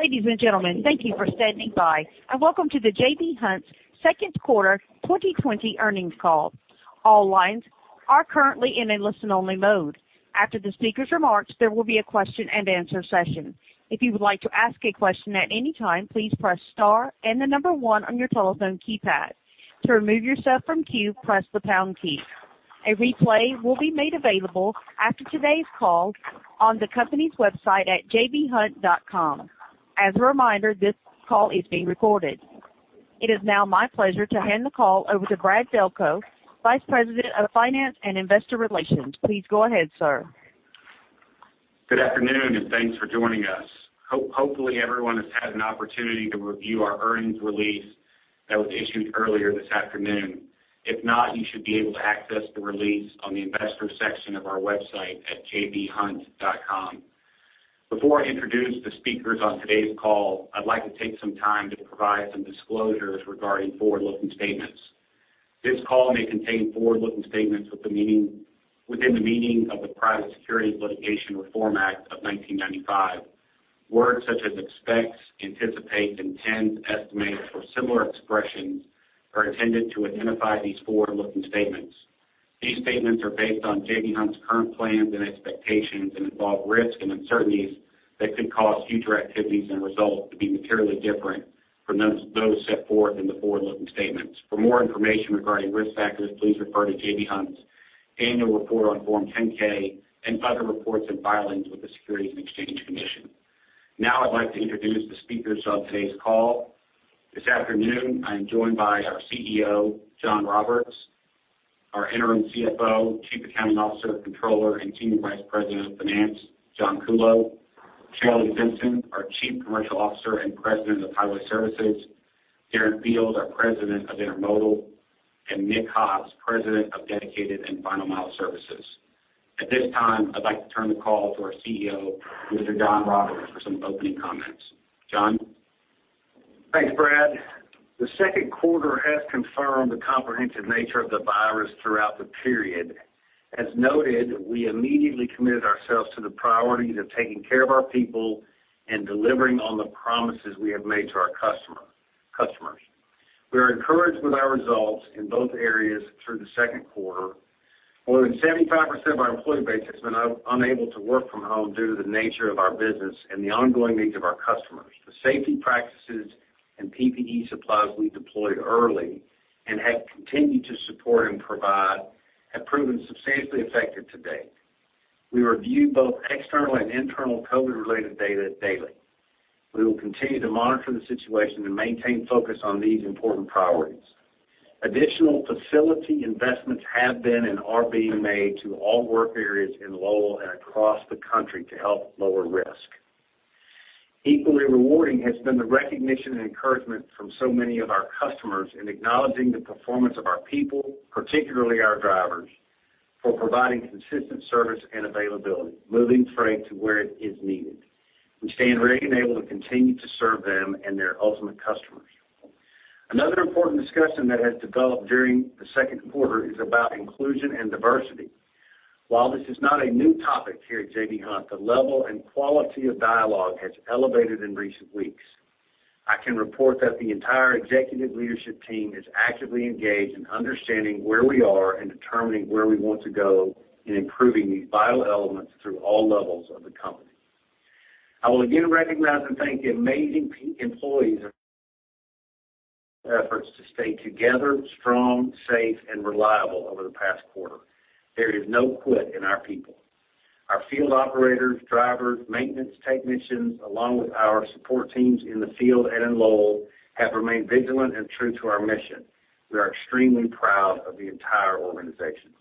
Ladies and gentlemen, thank you for standing by and welcome to the J.B. Hunt second quarter 2020 earnings call. All lines are currently in a listen-only mode. After the speakers' remarks, there will be a question and answer session. If you would like to ask a question at any time, please press star and the number 1 on your telephone keypad. To remove yourself from queue, press the pound key. A replay will be made available after today's call on the company's website at jbhunt.com. As a reminder, this call is being recorded. It is now my pleasure to hand the call over to Brad Delco, Vice President of Finance and Investor Relations. Please go ahead, sir. Good afternoon, and thanks for joining us. Hopefully everyone has had an opportunity to review our earnings release that was issued earlier this afternoon. If not, you should be able to access the release on the investor section of our website at jbhunt.com. Before I introduce the speakers on today's call, I'd like to take some time to provide some disclosures regarding forward-looking statements. This call may contain forward-looking statements within the meaning of the Private Securities Litigation Reform Act of 1995. Words such as expects, anticipate, intends, estimates, or similar expressions are intended to identify these forward-looking statements. These statements are based on J.B. Hunt's current plans and expectations and involve risks and uncertainties that could cause future activities and results to be materially different from those set forth in the forward-looking statements. For more information regarding risk factors, please refer to J.B. Hunt's Annual Report on Form 10-K and other reports and filings with the Securities and Exchange Commission. I'd like to introduce the speakers of today's call. This afternoon, I am joined by our CEO, John Roberts; our interim CFO, Chief Accounting Officer, Controller, and Team Vice President of Finance, John Kuhlow; Shelley Simpson, our Chief Commercial Officer and President of Highway Services; Darren Field, our President of Intermodal; and Nick Hobbs, President of Dedicated and Final Mile Services. At this time, I'd like to turn the call to our CEO, Mr. John Roberts, for some opening comments. John? Thanks, Brad. The second quarter has confirmed the comprehensive nature of the virus throughout the period. As noted, we immediately committed ourselves to the priorities of taking care of our people and delivering on the promises we have made to our customers. We are encouraged with our results in both areas through the second quarter. More than 75% of our employee base has been unable to work from home due to the nature of our business and the ongoing needs of our customers. The safety practices and PPE supplies we deployed early and have continued to support and provide have proven substantially effective to date. We review both external and internal COVID-19-related data daily. We will continue to monitor the situation and maintain focus on these important priorities. Additional facility investments have been and are being made to all work areas in Lowell and across the country to help lower risk. Equally rewarding has been the recognition and encouragement from so many of our customers in acknowledging the performance of our people, particularly our drivers, for providing consistent service and availability, moving freight to where it is needed, and staying ready and able to continue to serve them and their ultimate customers. Another important discussion that has developed during the second quarter is about inclusion and diversity. While this is not a new topic here at J.B. Hunt, the level and quality of dialogue has elevated in recent weeks. I can report that the entire executive leadership team is actively engaged in understanding where we are and determining where we want to go in improving these vital elements through all levels of the company. I will again recognize and thank the amazing employees' efforts to stay together, strong, safe and reliable over the past quarter. There is no quit in our people. Our field operators, drivers, maintenance technicians, along with our support teams in the field and in Lowell, have remained vigilant and true to our mission. We are extremely proud of the entire organization.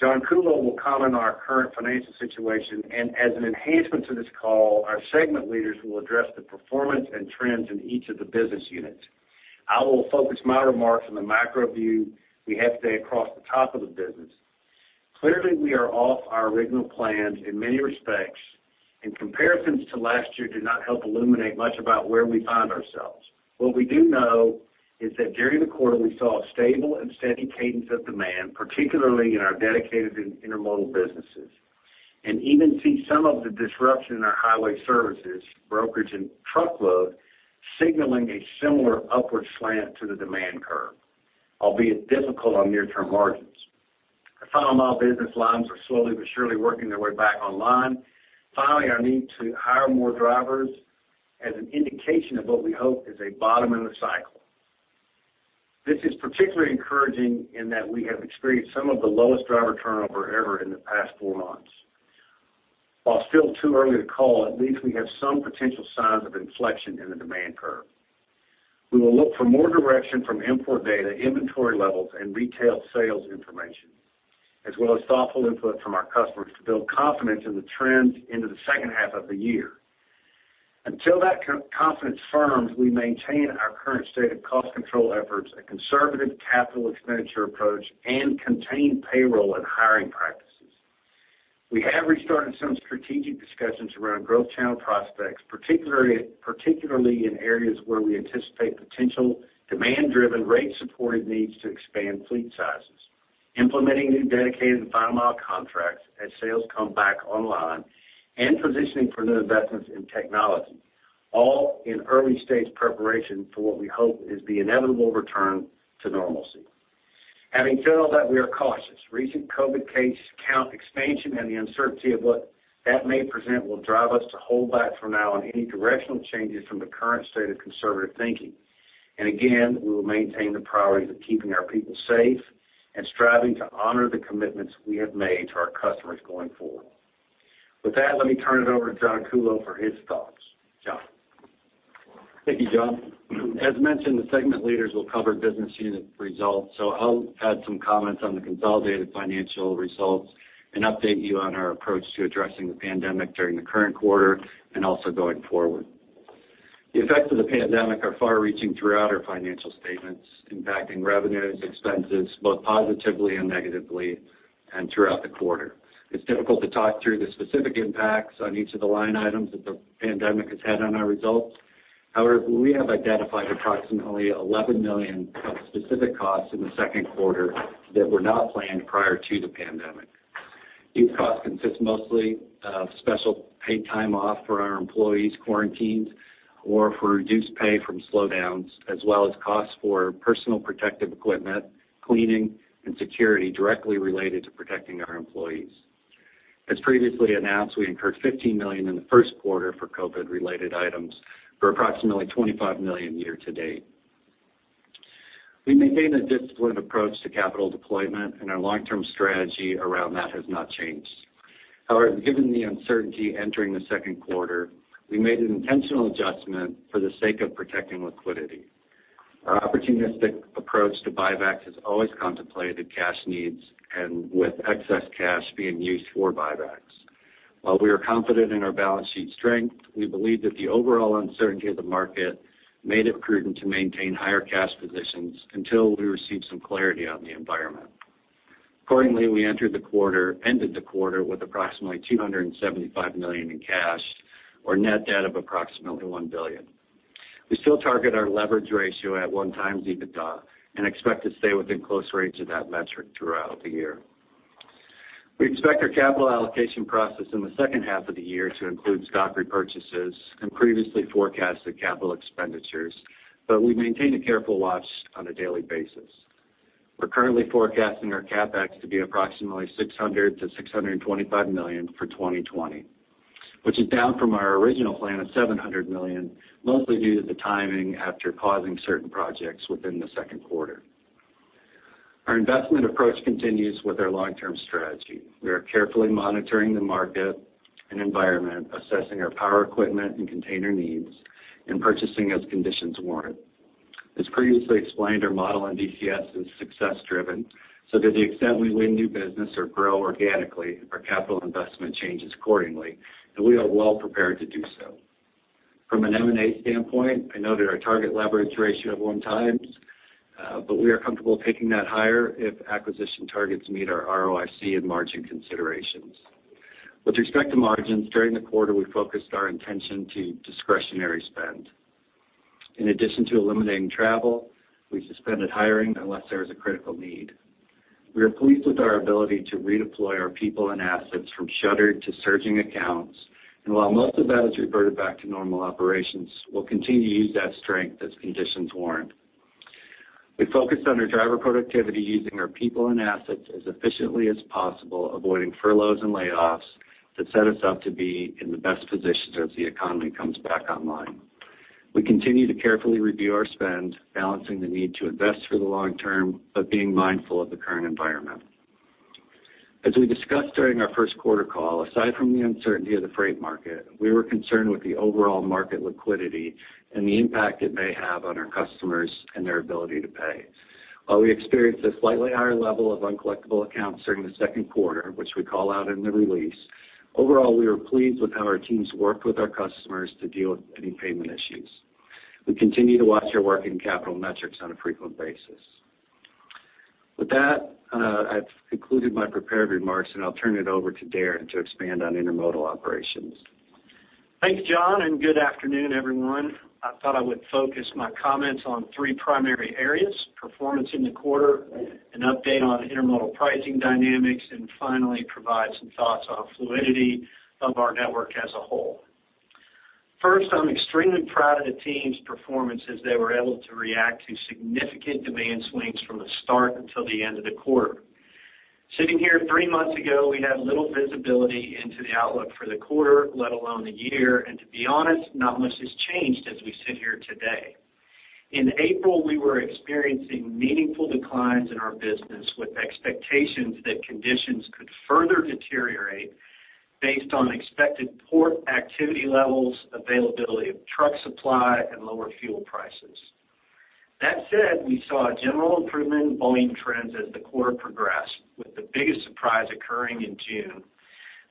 John Kuhlow will comment on our current financial situation. As an enhancement to this call, our segment leaders will address the performance and trends in each of the business units. I will focus my remarks on the macro view we have today across the top of the business. Clearly, we are off our original plans in many respects. Comparisons to last year do not help illuminate much about where we find ourselves. What we do know is that during the quarter, we saw a stable and steady cadence of demand, particularly in our dedicated and intermodal businesses. Even see some of the disruption in our Highway Services, brokerage and truckload, signaling a similar upward slant to the demand curve, albeit difficult on near-term margins. Our final mile business lines are slowly but surely working their way back online, following our need to hire more drivers as an indication of what we hope is a bottom of the cycle. This is particularly encouraging in that we have experienced some of the lowest driver turnover ever in the past four months. While still too early to call, at least we have some potential signs of inflection in the demand curve. We will look for more direction from import data, inventory levels, and retail sales information, as well as thoughtful input from our customers to build confidence in the trends into the second half of the year. Until that confidence firms, we maintain our current state of cost control efforts, a conservative capital expenditure approach, and contained payroll and hiring practices. We have restarted some strategic discussions around growth channel prospects, particularly in areas where we anticipate potential demand-driven, rate-supported needs to expand fleet sizes. Implementing new dedicated and final mile contracts as sales come back online and positioning for new investments in technology, all in early stage preparation for what we hope is the inevitable return to normalcy. Having said all that, we are cautious. Recent COVID case count expansion and the uncertainty of what that may present will drive us to hold back for now on any directional changes from the current state of conservative thinking. Again, we will maintain the priority of keeping our people safe and striving to honor the commitments we have made to our customers going forward. With that, let me turn it over to John Kuhlow for his thoughts. John. Thank you, John. As mentioned, the segment leaders will cover business unit results, so I'll add some comments on the consolidated financial results and update you on our approach to addressing the pandemic during the current quarter and also going forward. The effects of the pandemic are far reaching throughout our financial statements, impacting revenues, expenses, both positively and negatively, and throughout the quarter. It's difficult to talk through the specific impacts on each of the line items that the pandemic has had on our results. However, we have identified approximately $11 million of specific costs in the second quarter that were not planned prior to the pandemic. These costs consist mostly of special paid time off for our employees quarantined or for reduced pay from slowdowns, as well as costs for personal protective equipment, cleaning and security directly related to protecting our employees. As previously announced, we incurred $15 million in the first quarter for COVID related items for approximately $25 million year-to-date. We maintain a disciplined approach to capital deployment. Our long-term strategy around that has not changed. However, given the uncertainty entering the second quarter, we made an intentional adjustment for the sake of protecting liquidity. Our opportunistic approach to buybacks has always contemplated cash needs and with excess cash being used for buybacks. While we are confident in our balance sheet strength, we believe that the overall uncertainty of the market made it prudent to maintain higher cash positions until we receive some clarity on the environment. Accordingly, we ended the quarter with approximately $275 million in cash or net debt of approximately $1 billion. We still target our leverage ratio at one times EBITDA and expect to stay within close range of that metric throughout the year. We expect our capital allocation process in the second half of the year to include stock repurchases and previously forecasted capital expenditures, but we maintain a careful watch on a daily basis. We're currently forecasting our CapEx to be approximately $600 million-$625 million for 2020, which is down from our original plan of $700 million, mostly due to the timing after pausing certain projects within the second quarter. Our investment approach continues with our long term strategy. We are carefully monitoring the market and environment, assessing our power equipment and container needs, and purchasing as conditions warrant. As previously explained, our model in DCS is success driven, so to the extent we win new business or grow organically, our capital investment changes accordingly, and we are well prepared to do so. From an M&A standpoint, I noted our target leverage ratio of one times, but we are comfortable taking that higher if acquisition targets meet our ROIC and margin considerations. With respect to margins, during the quarter, we focused our attention to discretionary spend. In addition to eliminating travel, we suspended hiring unless there was a critical need. We are pleased with our ability to redeploy our people and assets from shuttered to surging accounts. While most of that has reverted back to normal operations, we'll continue to use that strength as conditions warrant. We focused on our driver productivity using our people and assets as efficiently as possible, avoiding furloughs and layoffs that set us up to be in the best position as the economy comes back online. We continue to carefully review our spend, balancing the need to invest for the long term, but being mindful of the current environment. As we discussed during our first quarter call, aside from the uncertainty of the freight market, we were concerned with the overall market liquidity and the impact it may have on our customers and their ability to pay. While we experienced a slightly higher level of uncollectible accounts during the second quarter, which we call out in the release, overall, we were pleased with how our teams worked with our customers to deal with any payment issues. We continue to watch our working capital metrics on a frequent basis. With that, I've concluded my prepared remarks, and I'll turn it over to Darren to expand on Intermodal operations. Thanks, John, and good afternoon, everyone. I thought I would focus my comments on three primary areas, performance in the quarter, an update on Intermodal pricing dynamics, and finally provide some thoughts on fluidity of our network as a whole. First, I'm extremely proud of the team's performance as they were able to react to significant demand swings from the start until the end of the quarter. Sitting here three months ago, we had little visibility into the outlook for the quarter, let alone the year. To be honest, not much has changed as we sit here today. In April, we were experiencing meaningful declines in our business with expectations that conditions could further deteriorate based on expected port activity levels, availability of truck supply, and lower fuel prices. That said, we saw a general improvement in volume trends as the quarter progressed, with the biggest surprise occurring in June.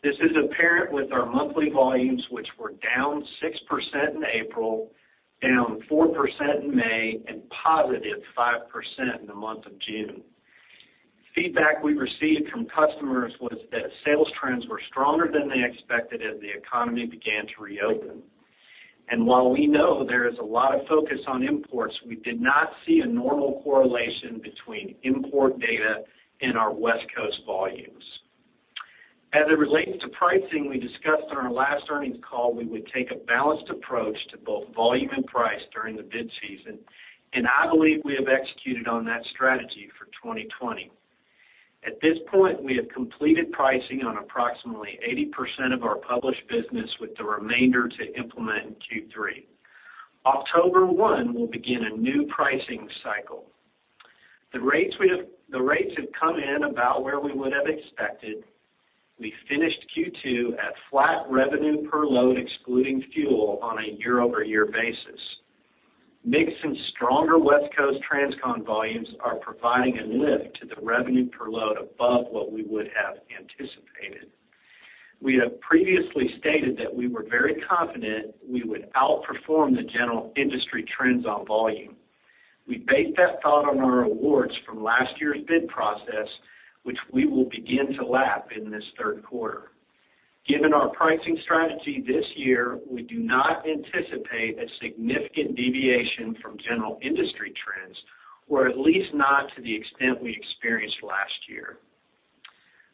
This is apparent with our monthly volumes, which were down 6% in April, down 4% in May, and positive 5% in the month of June. Feedback we received from customers was that sales trends were stronger than they expected as the economy began to reopen. While we know there is a lot of focus on imports, we did not see a normal correlation between import data and our West Coast volumes. As it relates to pricing, we discussed on our last earnings call, we would take a balanced approach to both volume and price during the bid season, and I believe we have executed on that strategy for 2020. At this point, we have completed pricing on approximately 80% of our published business, with the remainder to implement in Q3. October 1, we'll begin a new pricing cycle. The rates have come in about where we would have expected. We finished Q2 at flat revenue per load, excluding fuel, on a year-over-year basis. Mix and stronger West Coast transcon volumes are providing a lift to the revenue per load above what we would have anticipated. We have previously stated that we were very confident we would outperform the general industry trends on volume. We based that thought on our awards from last year's bid process, which we will begin to lap in this third quarter. Given our pricing strategy this year, we do not anticipate a significant deviation from general industry trends, or at least not to the extent we experienced last year.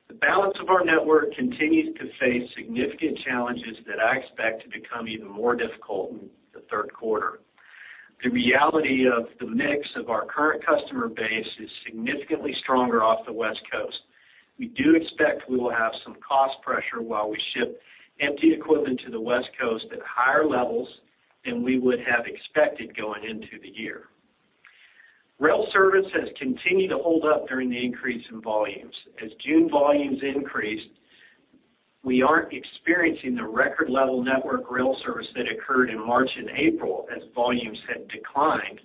The balance of our network continues to face significant challenges that I expect to become even more difficult in the third quarter. The reality of the mix of our current customer base is significantly stronger off the West Coast. We do expect we will have some cost pressure while we ship empty equipment to the West Coast at higher levels than we would have expected going into the year. Rail service has continued to hold up during the increase in volumes. As June volumes increased, we aren't experiencing the record-level network rail service that occurred in March and April as volumes had declined.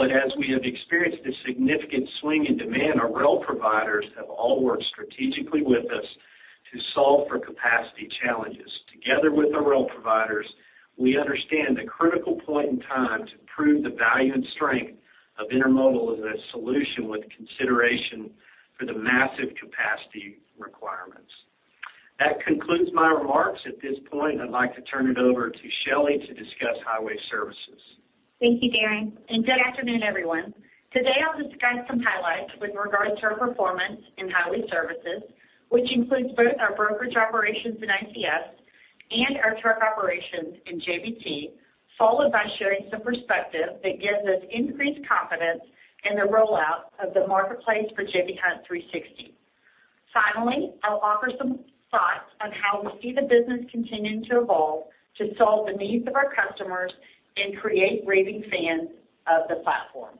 As we have experienced this significant swing in demand, our rail providers have all worked strategically with us to solve for capacity challenges. Together with our rail providers, we understand the critical point in time to prove the value and strength of Intermodal as a solution with consideration for the massive capacity requirements. That concludes my remarks. At this point, I'd like to turn it over to Shelley to discuss Highway Services. Thank you, Darren. Good afternoon, everyone. Today, I'll discuss some highlights with regards to our performance in Highway Services, which includes both our brokerage operations in ICS and our truck operations in JBT, followed by sharing some perspective that gives us increased confidence in the rollout of the marketplace for J.B. Hunt 360. Finally, I'll offer some thoughts on how we see the business continuing to evolve to solve the needs of our customers and create raving fans of the platform.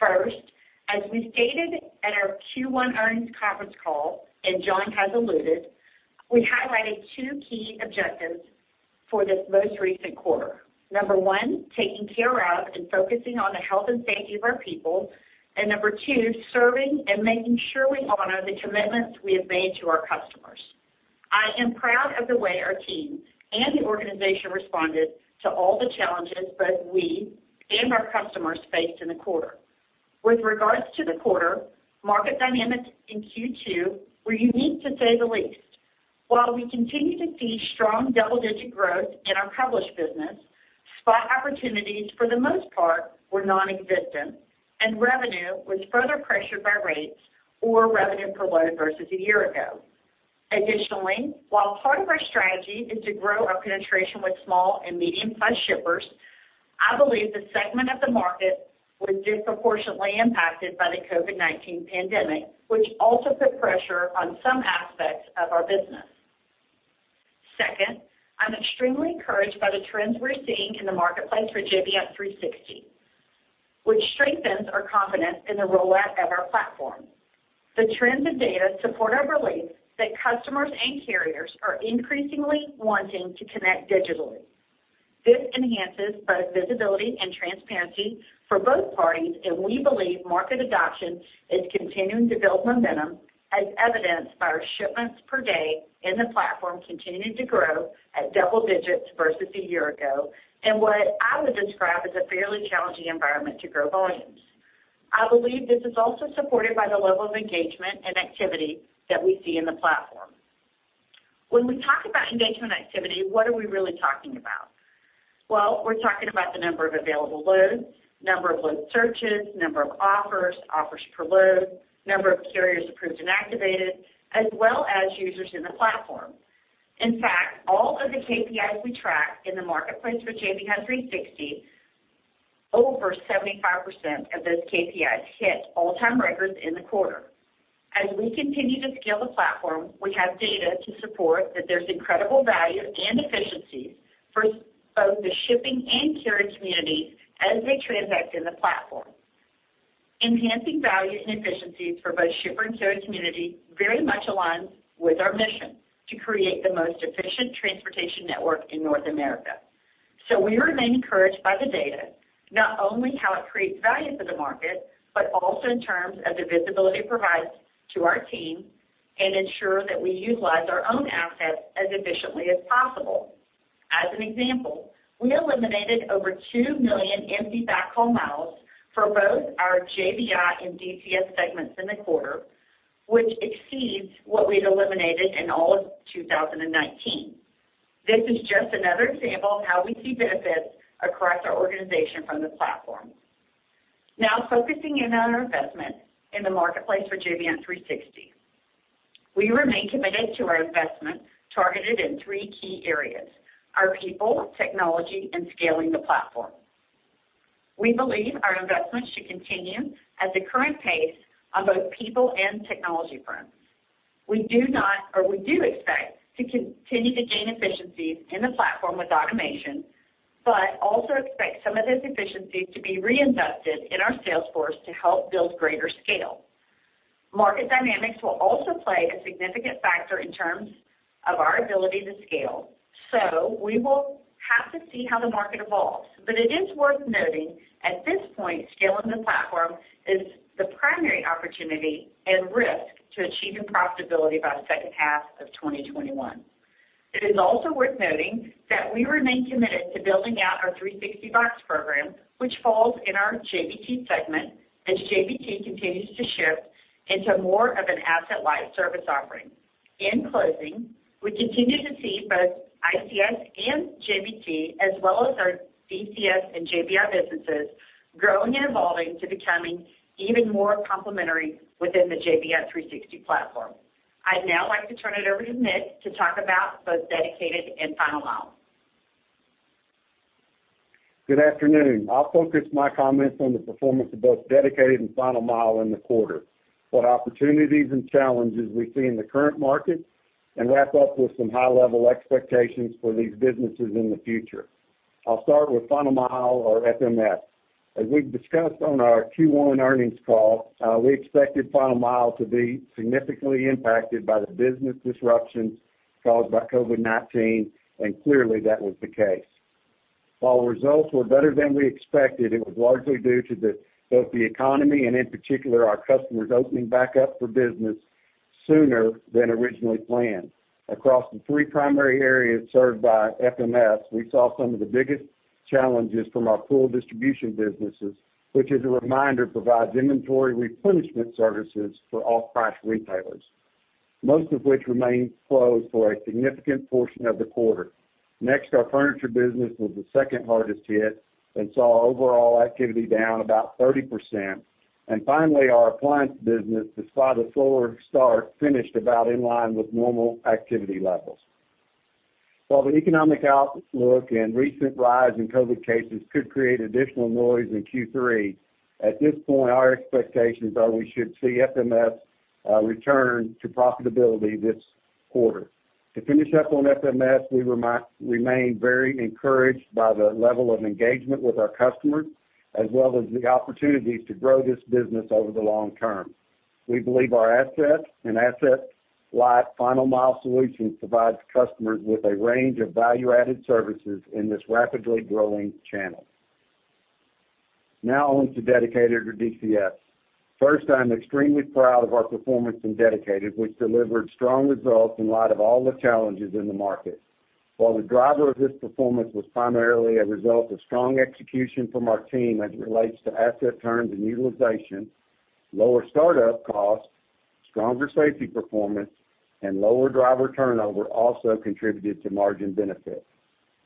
First, as we stated at our Q1 earnings conference call, John has alluded, we highlighted two key objectives for this most recent quarter. Number 1, taking care of and focusing on the health and safety of our people. Number 2, serving and making sure we honor the commitments we have made to our customers. I am proud of the way our team and the organization responded to all the challenges both we and our customers faced in the quarter. With regards to the quarter, market dynamics in Q2 were unique to say the least. While we continue to see strong double-digit growth in our published business, spot opportunities for the most part were nonexistent, and revenue was further pressured by rates or revenue per load versus a year ago. Additionally, while part of our strategy is to grow our penetration with small and medium-sized shippers, I believe this segment of the market was disproportionately impacted by the COVID-19 pandemic, which also put pressure on some aspects of our business. Second, I'm extremely encouraged by the trends we're seeing in the marketplace for J.B. Hunt 360, which strengthens our confidence in the rollout of our platform. The trends and data support our belief that customers and carriers are increasingly wanting to connect digitally. This enhances both visibility and transparency for both parties, and we believe market adoption is continuing to build momentum, as evidenced by our shipments per day in the platform continuing to grow at double digits versus a year ago, in what I would describe as a fairly challenging environment to grow volumes. I believe this is also supported by the level of engagement and activity that we see in the platform. When we talk about engagement activity, what are we really talking about? Well, we're talking about the number of available loads, number of load searches, number of offers per load, number of carriers approved and activated, as well as users in the platform. In fact, all of the KPIs we track in the marketplace for J.B. Hunt 360, over 75% of those KPIs hit all-time records in the quarter. As we continue to scale the platform, we have data to support that there's incredible value and efficiencies for both the shipping and carrier communities as they transact in the platform. Enhancing value and efficiencies for both shipper and carrier community very much aligns with our mission to create the most efficient transportation network in North America. We remain encouraged by the data, not only how it creates value for the market, but also in terms of the visibility it provides to our team and ensure that we utilize our own assets as efficiently as possible. As an example, we eliminated over 2 million empty backhaul miles for both our JBI and DCS segments in the quarter. Which exceeds what we'd eliminated in all of 2019. This is just another example of how we see benefits across our organization from this platform. Focusing in on our investment in the marketplace for J.B. Hunt 360. We remain committed to our investment targeted in three key areas: our people, technology, and scaling the platform. We believe our investments should continue at the current pace on both people and technology fronts. We do expect to continue to gain efficiencies in the platform with automation, but also expect some of those efficiencies to be reinvested in our sales force to help build greater scale. Market dynamics will also play a significant factor in terms of our ability to scale. We will have to see how the market evolves. It is worth noting, at this point, scaling the platform is the primary opportunity and risk to achieving profitability by the second half of 2021. It is also worth noting that we remain committed to building out our J.B. Hunt 360box program, which falls in our JBT segment, as JBT continues to shift into more of an asset-light service offering. In closing, we continue to see both ICS and JBT, as well as our DCS and JBI businesses, growing and evolving to becoming even more complementary within the J.B. Hunt 360 platform. I'd now like to turn it over to Nick to talk about both Dedicated and Final Mile. Good afternoon. I'll focus my comments on the performance of both Dedicated and Final Mile in the quarter, what opportunities and challenges we see in the current market, and wrap up with some high-level expectations for these businesses in the future. I'll start with Final Mile or FMS. As we've discussed on our Q1 earnings call, we expected Final Mile to be significantly impacted by the business disruptions caused by COVID-19, and clearly, that was the case. While results were better than we expected, it was largely due to both the economy and, in particular, our customers opening back up for business sooner than originally planned. Across the three primary areas served by FMS, we saw some of the biggest challenges from our pool distribution businesses, which as a reminder, provides inventory replenishment services for off-price retailers, most of which remained closed for a significant portion of the quarter. Next, our furniture business was the second hardest hit and saw overall activity down about 30%. Finally, our appliance business, despite a slower start, finished about in line with normal activity levels. While the economic outlook and recent rise in COVID cases could create additional noise in Q3, at this point, our expectations are we should see FMS return to profitability this quarter. To finish up on FMS, we remain very encouraged by the level of engagement with our customers, as well as the opportunities to grow this business over the long term. We believe our assets and asset-light Final Mile solutions provide customers with a range of value-added services in this rapidly growing channel. On to Dedicated or DCS. I'm extremely proud of our performance in Dedicated, which delivered strong results in light of all the challenges in the market. While the driver of this performance was primarily a result of strong execution from our team as it relates to asset turns and utilization, lower startup costs, stronger safety performance, and lower driver turnover also contributed to margin benefits.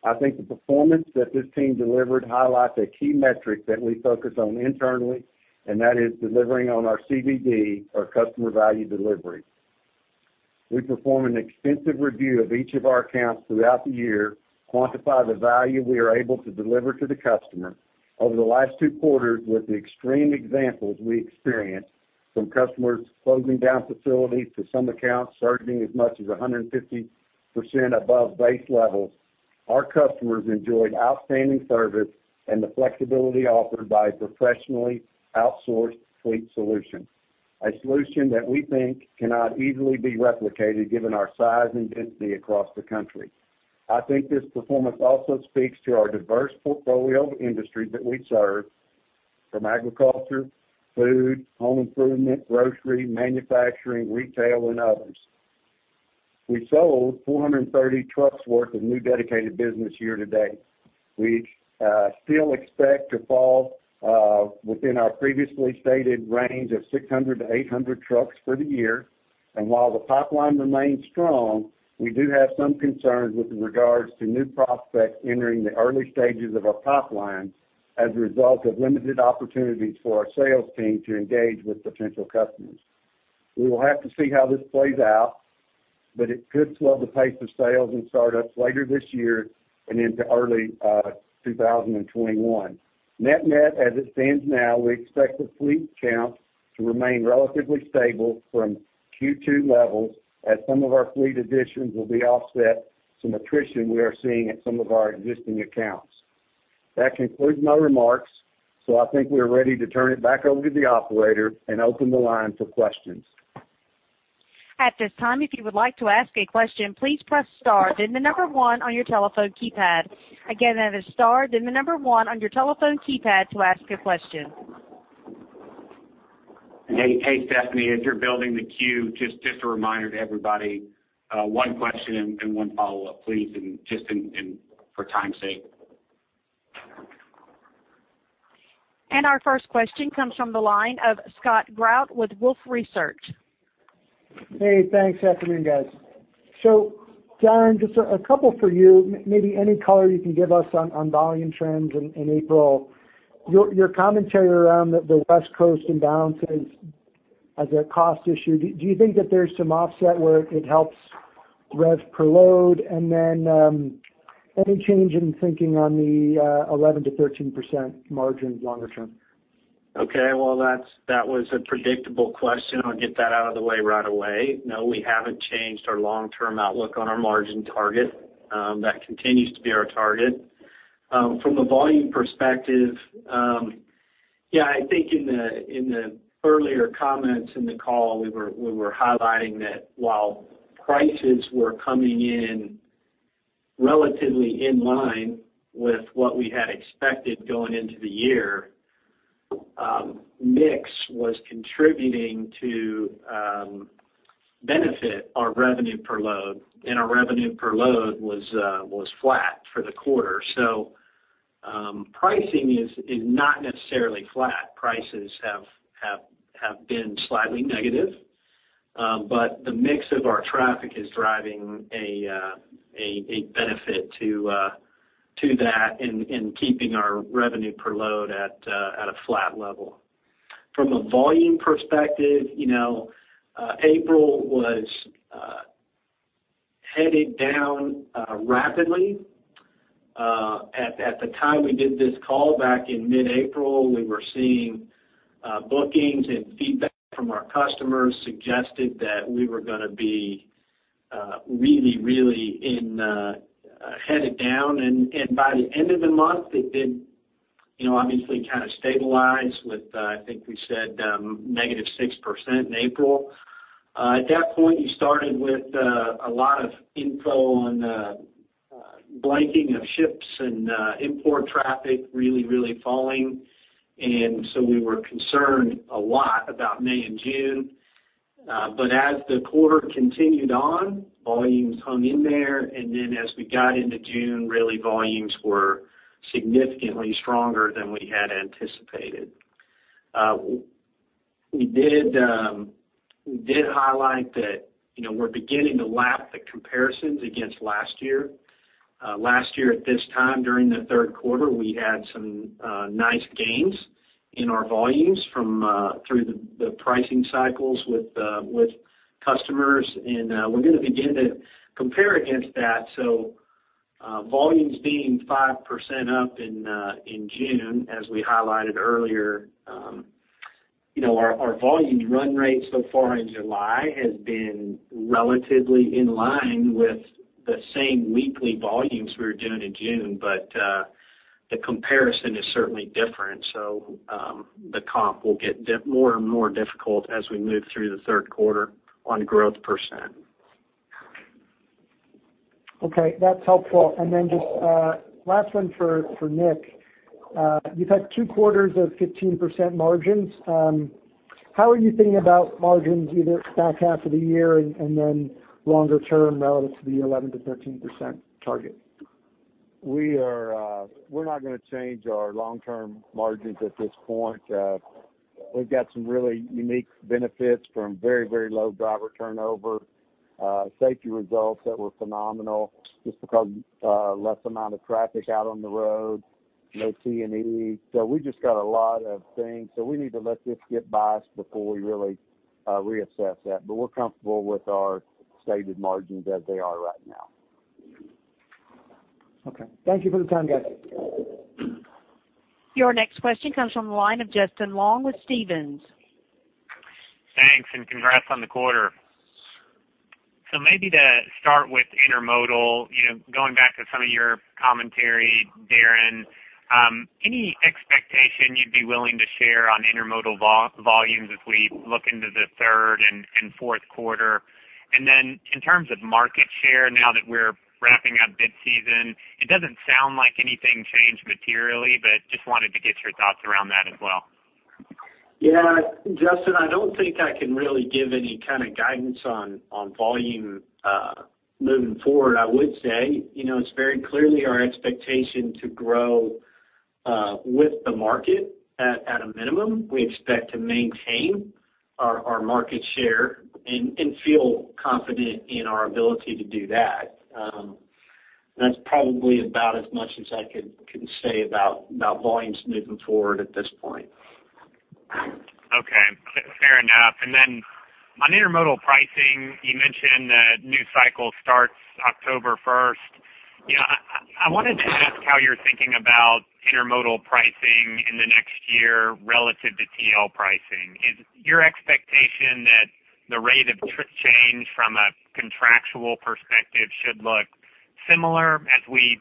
I think the performance that this team delivered highlights a key metric that we focus on internally, and that is delivering on our CVD or Customer Value Delivery. We perform an extensive review of each of our accounts throughout the year, quantify the value we are able to deliver to the customer. Over the last two quarters with the extreme examples we experienced, from customers closing down facilities to some accounts surging as much as 150% above base levels, our customers enjoyed outstanding service and the flexibility offered by a professionally outsourced fleet solution, a solution that we think cannot easily be replicated given our size and density across the country. I think this performance also speaks to our diverse portfolio of industries that we serve, from agriculture, food, home improvement, grocery, manufacturing, retail, and others. We sold 430 trucks' worth of new Dedicated business year to date. We still expect to fall within our previously stated range of 600 to 800 trucks for the year. While the pipeline remains strong, we do have some concerns with regards to new prospects entering the early stages of our pipeline as a result of limited opportunities for our sales team to engage with potential customers. We will have to see how this plays out, but it could slow the pace of sales and startups later this year and into early 2021. Net-net, as it stands now, we expect the fleet count to remain relatively stable from Q2 levels as some of our fleet additions will be offset some attrition we are seeing at some of our existing accounts. That concludes my remarks, I think we are ready to turn it back over to the Operator and open the line for questions. At this time, if you would like to ask a question, please press star, then the number one on your telephone keypad. Again, that is star, then the number one on your telephone keypad to ask a question. Hey, Stephanie, as you're building the queue, just a reminder to everybody, one question and one follow-up, please, and just for time's sake. Our first question comes from the line of Scott Group with Wolfe Research. Hey, thanks. Afternoon, guys. Darren, just a couple for you. Maybe any color you can give us on volume trends in April? Your commentary around the West Coast imbalances as a cost issue, do you think that there's some offset where it helps rev per load? Any change in thinking on the 11%-13% margins longer term? Okay. Well, that was a predictable question. I'll get that out of the way right away. No, we haven't changed our long-term outlook on our margin target. That continues to be our target. From a volume perspective, I think in the earlier comments in the call, we were highlighting that while prices were coming in relatively in line with what we had expected going into the year, mix was contributing to benefit our revenue per load, and our revenue per load was flat for the quarter. Pricing is not necessarily flat. Prices have been slightly negative. The mix of our traffic is driving a benefit to that in keeping our revenue per load at a flat level. From a volume perspective, April was headed down rapidly. At the time we did this call back in mid-April, we were seeing bookings and feedback from our customers suggested that we were going to be really headed down. By the end of the month, it did obviously kind of stabilize with, I think we said, negative 6% in April. At that point, you started with a lot of info on blanking of ships and import traffic really falling. We were concerned a lot about May and June. As the quarter continued on, volumes hung in there. As we got into June, really volumes were significantly stronger than we had anticipated. We did highlight that we're beginning to lap the comparisons against last year. Last year at this time, during the third quarter, we had some nice gains in our volumes through the pricing cycles with customers, and we're going to begin to compare against that. Volumes being 5% up in June as we highlighted earlier. Our volume run rate so far in July has been relatively in line with the same weekly volumes we were doing in June. The comparison is certainly different. The comp will get more and more difficult as we move through the third quarter on growth %. Okay. That's helpful. Then just last one for Nick. You've had two quarters of 15% margins. How are you thinking about margins either back half of the year then longer term relative to the 11%-13% target? We're not going to change our long-term margins at this point. We've got some really unique benefits from very low driver turnover, safety results that were phenomenal just because less amount of traffic out on the road, low C&E. We just got a lot of things. We need to let this get by us before we really reassess that. We're comfortable with our stated margins as they are right now. Okay. Thank you for the time, guys. Your next question comes from the line of Justin Long with Stephens. Thanks, and congrats on the quarter. Maybe to start with Intermodal, going back to some of your commentary, Darren, any expectation you'd be willing to share on Intermodal volumes as we look into the third and fourth quarter? In terms of market share, now that we're wrapping up bid season, it doesn't sound like anything changed materially, but just wanted to get your thoughts around that as well. Yeah. Justin, I don't think I can really give any kind of guidance on volume moving forward. I would say it's very clearly our expectation to grow with the market at a minimum. We expect to maintain our market share and feel confident in our ability to do that. That's probably about as much as I can say about volumes moving forward at this point. Okay. Fair enough. On Intermodal pricing, you mentioned a new cycle starts October 1st. I wanted to ask how you're thinking about Intermodal pricing in the next year relative to TL pricing. Is your expectation that the rate of trip change from a contractual perspective should look similar as we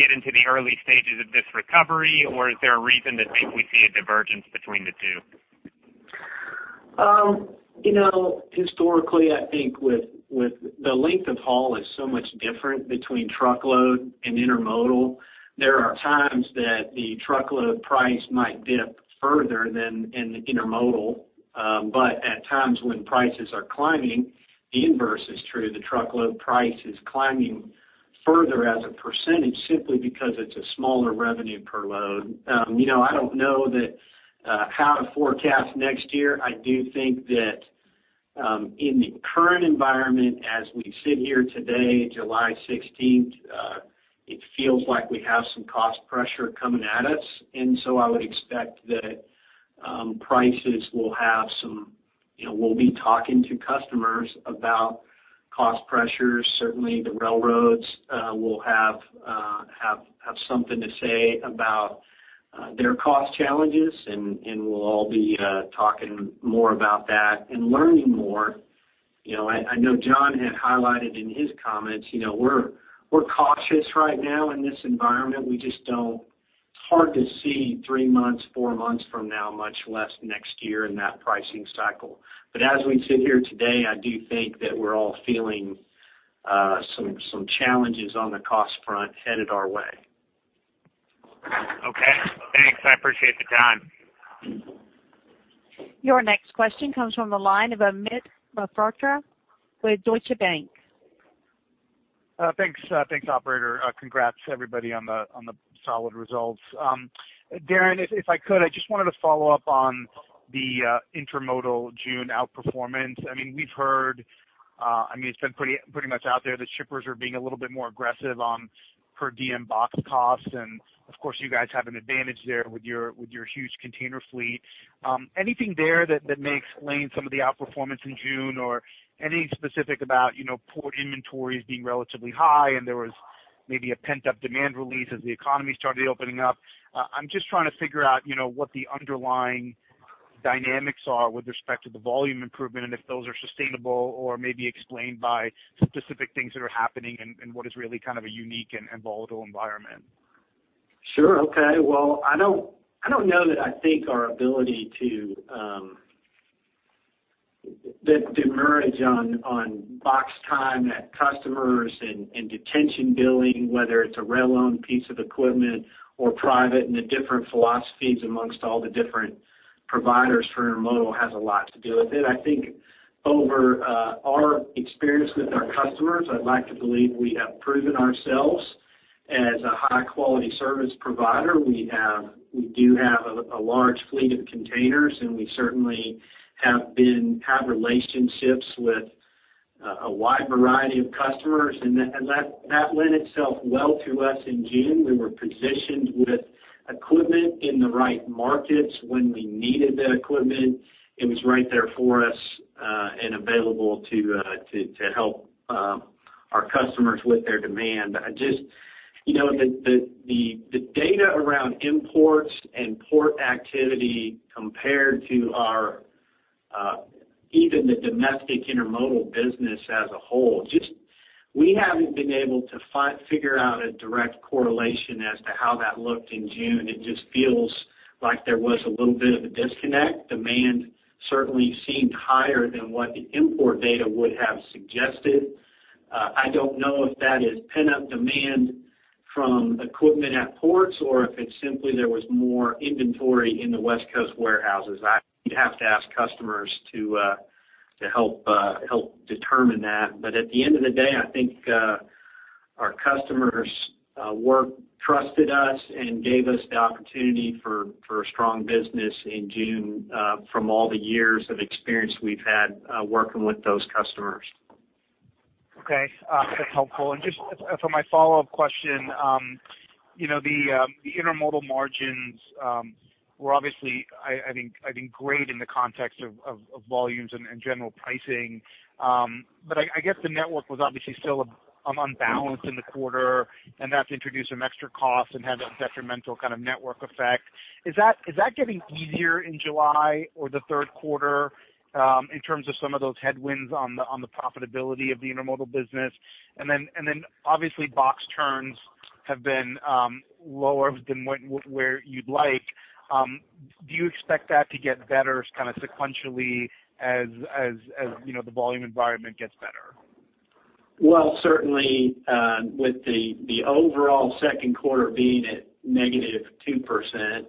get into the early stages of this recovery? Or is there a reason to think we see a divergence between the two? Historically, I think with the length of haul is so much different between truckload and Intermodal. There are times that the truckload price might dip further than in the Intermodal. At times when prices are climbing, the inverse is true. The truckload price is climbing further as a % simply because it's a smaller revenue per load. I don't know how to forecast next year. I do think that in the current environment, as we sit here today, July 16th, it feels like we have some cost pressure coming at us. We'll be talking to customers about cost pressures. Certainly, the railroads will have something to say about their cost challenges, and we'll all be talking more about that and learning more. I know John had highlighted in his comments, we're cautious right now in this environment. It's hard to see three months, four months from now, much less next year in that pricing cycle. As we sit here today, I do think that we're all feeling some challenges on the cost front headed our way. Okay, thanks. I appreciate the time. Your next question comes from the line of Amit Mehrotra with Deutsche Bank. Thanks, Operator. Congrats everybody on the solid results. Darren, if I could, I just wanted to follow up on the Intermodal June outperformance. We've heard, it's been pretty much out there that shippers are being a little bit more aggressive on per diem box costs, and of course, you guys have an advantage there with your huge container fleet. Anything there that makes sense of some of the outperformance in June or any specific about port inventories being relatively high, and there was maybe a pent-up demand release as the economy started opening up? I'm just trying to figure out what the underlying dynamics are with respect to the volume improvement, and if those are sustainable or maybe explained by specific things that are happening in what is really a unique and volatile environment. Sure. Okay. Well, I don't know that I think our ability to demurrage on box time at customers and detention billing, whether it's a rail-owned piece of equipment or private. The different philosophies amongst all the different providers for Intermodal has a lot to do with it. I think over our experience with our customers, I'd like to believe we have proven ourselves as a high-quality service provider. We do have a large fleet of containers, and we certainly have relationships with a wide variety of customers. That lent itself well to us in June. We were positioned with equipment in the right markets when we needed that equipment. It was right there for us, and available to help our customers with their demand. The data around imports and port activity compared to even the domestic Intermodal business as a whole, just we haven't been able to figure out a direct correlation as to how that looked in June. It just feels like there was a little bit of a disconnect. Demand certainly seemed higher than what the import data would have suggested. I don't know if that is pent-up demand from equipment at ports or if it's simply there was more inventory in the West Coast warehouses. I'd have to ask customers to help determine that. At the end of the day, I think our customers trusted us and gave us the opportunity for a strong business in June from all the years of experience we've had working with those customers. Okay. That's helpful. Just for my follow-up question, the intermodal margins were obviously, I think great in the context of volumes and general pricing. I guess the network was obviously still unbalanced in the quarter, and that's introduced some extra costs and had a detrimental network effect. Is that getting easier in July or the third quarter in terms of some of those headwinds on the profitability of the intermodal business? Then obviously box turns have been lower than where you'd like. Do you expect that to get better sequentially as the volume environment gets better? Well, certainly, with the overall second quarter being at -2%,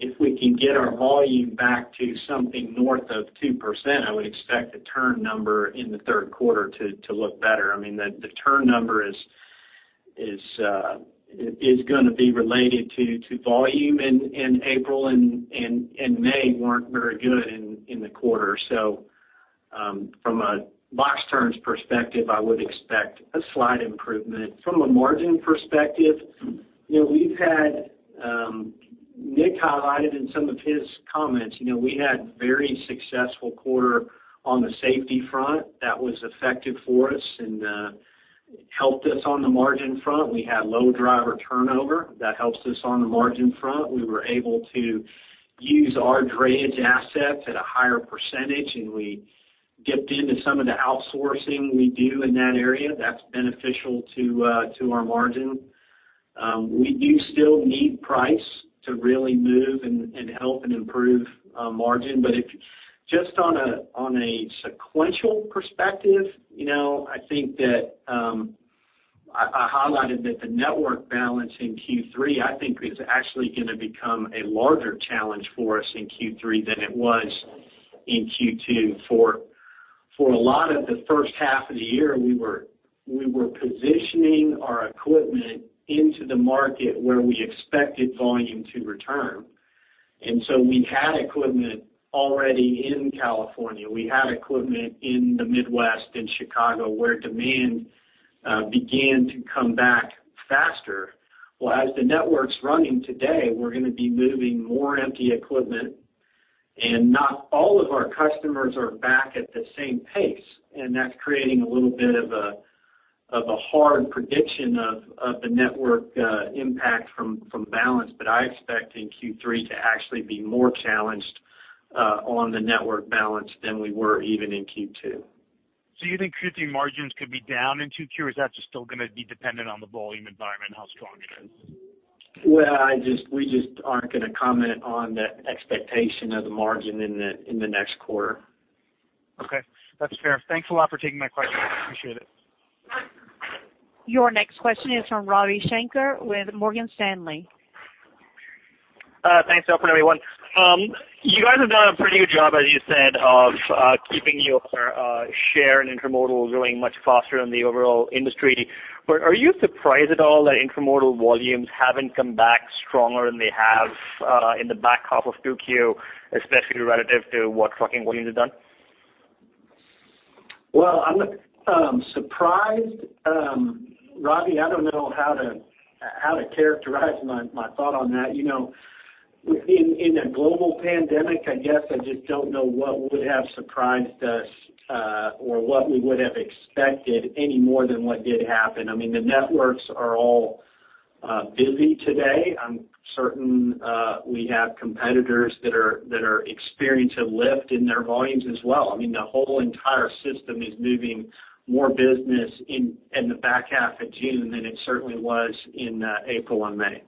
if we can get our volume back to something north of 2%, I would expect the turn number in the third quarter to look better. The turn number is going to be related to volume, and April and May weren't very good in the quarter. From a box turns perspective, I would expect a slight improvement. From a margin perspective, Nick highlighted in some of his comments, we had very successful quarter on the safety front. That was effective for us and helped us on the margin front. We had low driver turnover. That helps us on the margin front. We were able to use our drayage assets at a higher percentage, and we dipped into some of the outsourcing we do in that area. That's beneficial to our margin. We do still need price to really move and help and improve margin. Just on a sequential perspective, I think that. I highlighted that the network balance in Q3, I think, is actually going to become a larger challenge for us in Q3 than it was in Q2. For a lot of the first half of the year, we were positioning our equipment into the market where we expected volume to return. We had equipment already in California. We had equipment in the Midwest and Chicago, where demand began to come back faster. Well, as the network's running today, we're going to be moving more empty equipment, and not all of our customers are back at the same pace. That's creating a little bit of a hard prediction of the network impact from balance. I expect in Q3 to actually be more challenged on the network balance than we were even in Q2. You think Q3 margins could be down in 2Q, or is that just still going to be dependent on the volume environment and how strong it is? Well, we just aren't going to comment on the expectation of the margin in the next quarter. Okay, that's fair. Thanks a lot for taking my question. I appreciate it. Your next question is from Ravi Shanker with Morgan Stanley. Thanks, Operator, everyone. You guys have done a pretty good job, as you said, of keeping your share in Intermodal growing much faster than the overall industry. Are you surprised at all that Intermodal volumes haven't come back stronger than they have in the back half of 2Q, especially relative to what trucking volumes have done? Well, surprised, Ravi, I don't know how to characterize my thought on that. Within a global pandemic, I guess I just don't know what would have surprised us or what we would have expected any more than what did happen. The networks are all busy today. I'm certain we have competitors that are experiencing a lift in their volumes as well. The whole entire system is moving more business in the back half of June than it certainly was in April and May.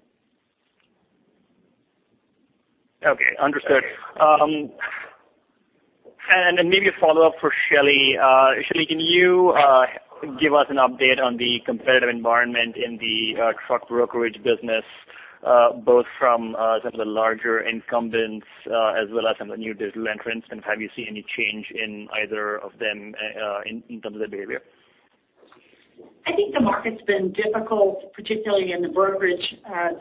Okay. Understood. Then maybe a follow-up for Shelley. Shelley, can you give us an update on the competitive environment in the truck brokerage business both from some of the larger incumbents as well as some of the new digital entrants? Have you seen any change in either of them in terms of their behavior? I think the market's been difficult, particularly in the brokerage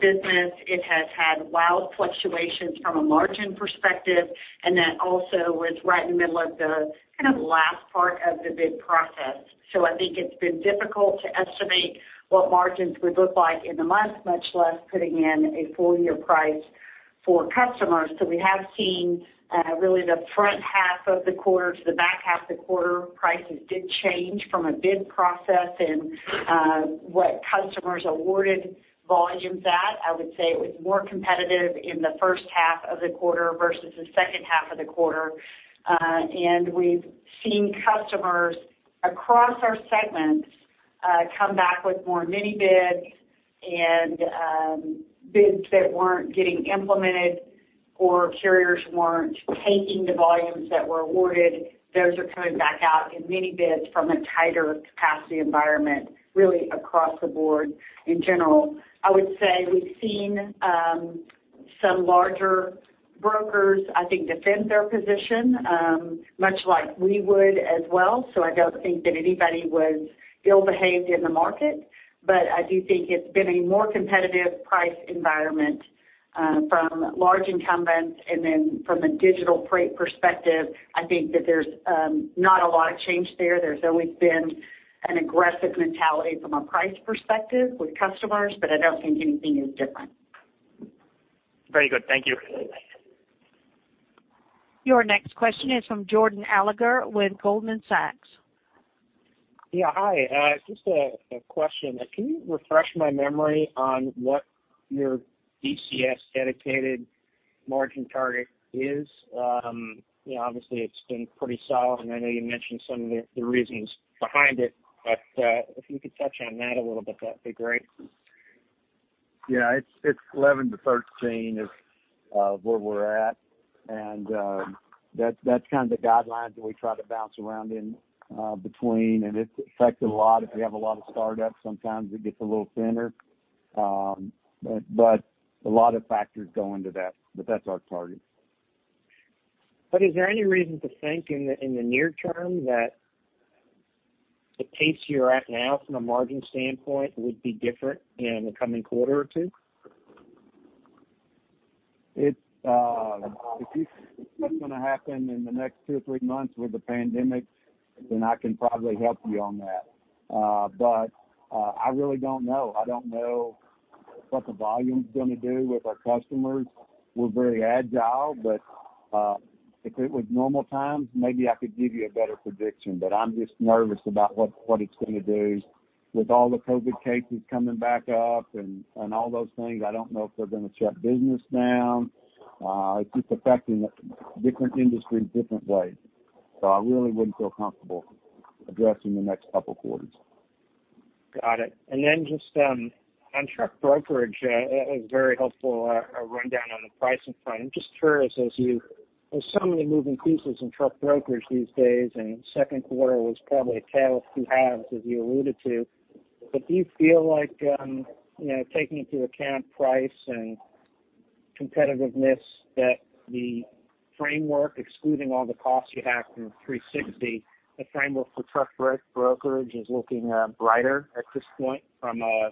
business. It has had wild fluctuations from a margin perspective, and that also was right in the middle of the last part of the bid process. I think it's been difficult to estimate what margins would look like in the month, much less putting in a full-year price for customers. We have seen really the front half of the quarter to the back half of the quarter, prices did change from a bid process and what customers awarded volumes at. I would say it was more competitive in the first half of the quarter versus the second half of the quarter. We've seen customers across our segments come back with more mini-bids and bids that weren't getting implemented or carriers weren't taking the volumes that were awarded. Those are coming back out in mini bids from a tighter capacity environment really across the board in general. I would say we've seen some larger brokers, I think, defend their position much like we would as well. I don't think that anybody was ill-behaved in the market. I do think it's been a more competitive price environment from large incumbents. From a digital freight perspective, I think that there's not a lot of change there. There's always been an aggressive mentality from a price perspective with customers, but I don't think anything is different. Very good. Thank you. Your next question is from Jordan Alliger with Goldman Sachs. Yeah. Hi. Just a question. Can you refresh my memory on what your DCS dedicated margin target is? Obviously, it's been pretty solid, and I know you mentioned some of the reasons behind it. If you could touch on that a little bit, that'd be great. Yeah. It's 11-13 is where we're at. That's the guidelines that we try to bounce around in between. It affects a lot if we have a lot of startups. Sometimes it gets a little thinner. A lot of factors go into that, but that's our target. Is there any reason to think in the near term that the pace you're at now from a margin standpoint would be different in the coming quarter or two? If that's going to happen in the next two or three months with the pandemic, I can probably help you on that. I really don't know. I don't know what the volume is going to do with our customers. We're very agile, but if it was normal times, maybe I could give you a better prediction. I'm just nervous about what it's going to do with all the COVID cases coming back up and all those things. I don't know if they're going to shut business down. It's just affecting different industries in different ways. I really wouldn't feel comfortable addressing the next couple of quarters. Got it. Just on truck brokerage, it was very helpful, a rundown on the pricing front. I'm just curious, as there's so many moving pieces in truck brokerage these days, second quarter was probably a tale of two halves, as you alluded to. Do you feel like, taking into account price and competitiveness, that the framework, excluding all the costs you have from 360, the framework for truck brokerage is looking brighter at this point from a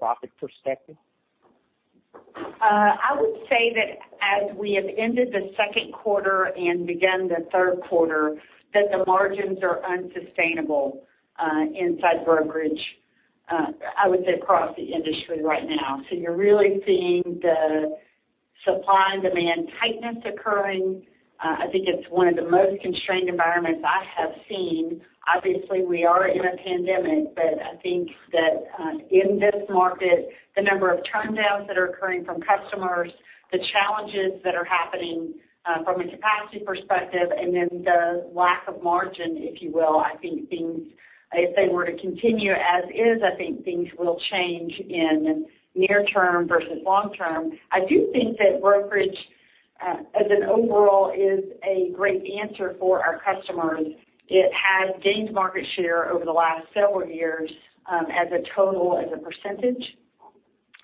profit perspective? I would say that as we have ended the second quarter and begun the third quarter, that the margins are unsustainable inside brokerage, I would say across the industry right now. So you're really seeing the supply and demand tightness occurring. I think it's one of the most constrained environments I have seen. Obviously, we are in a pandemic, but I think that in this market, the number of turndowns that are occurring from customers, the challenges that are happening from a capacity perspective, and then the lack of margin, if you will, if they were to continue as is, I think things will change in near term versus long term. I do think that brokerage, as an overall, is a great answer for our customers. It has gained market share over the last several years as a total, as a percentage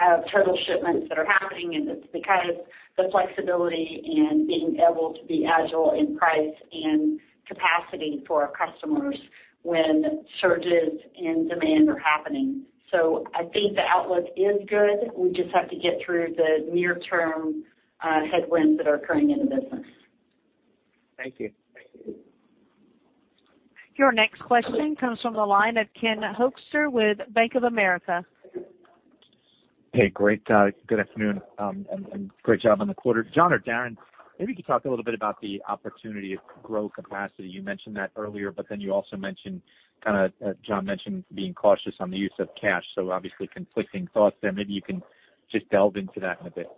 of total shipments that are happening. It's because the flexibility and being able to be agile in price and capacity for our customers when surges in demand are happening. I think the outlook is good. We just have to get through the near-term headwinds that are occurring in the business. Thank you. Your next question comes from the line of Ken Hoexter with Bank of America. Hey, great. Good afternoon. Great job on the quarter. John or Darren, maybe you could talk a little bit about the opportunity to grow capacity. You mentioned that earlier. You also mentioned, John mentioned being cautious on the use of cash. Obviously conflicting thoughts there. Maybe you can just delve into that in a bit.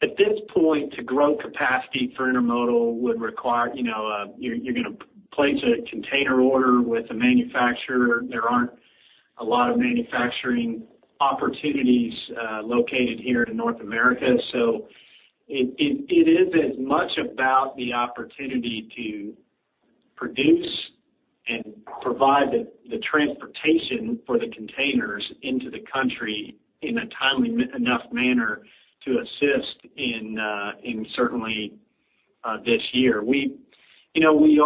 At this point, to grow capacity for Intermodal would require, you're going to place a container order with a manufacturer. There aren't a lot of manufacturing opportunities located here in North America. It is as much about the opportunity to produce and provide the transportation for the containers into the country in a timely enough manner to assist in certainly this year. We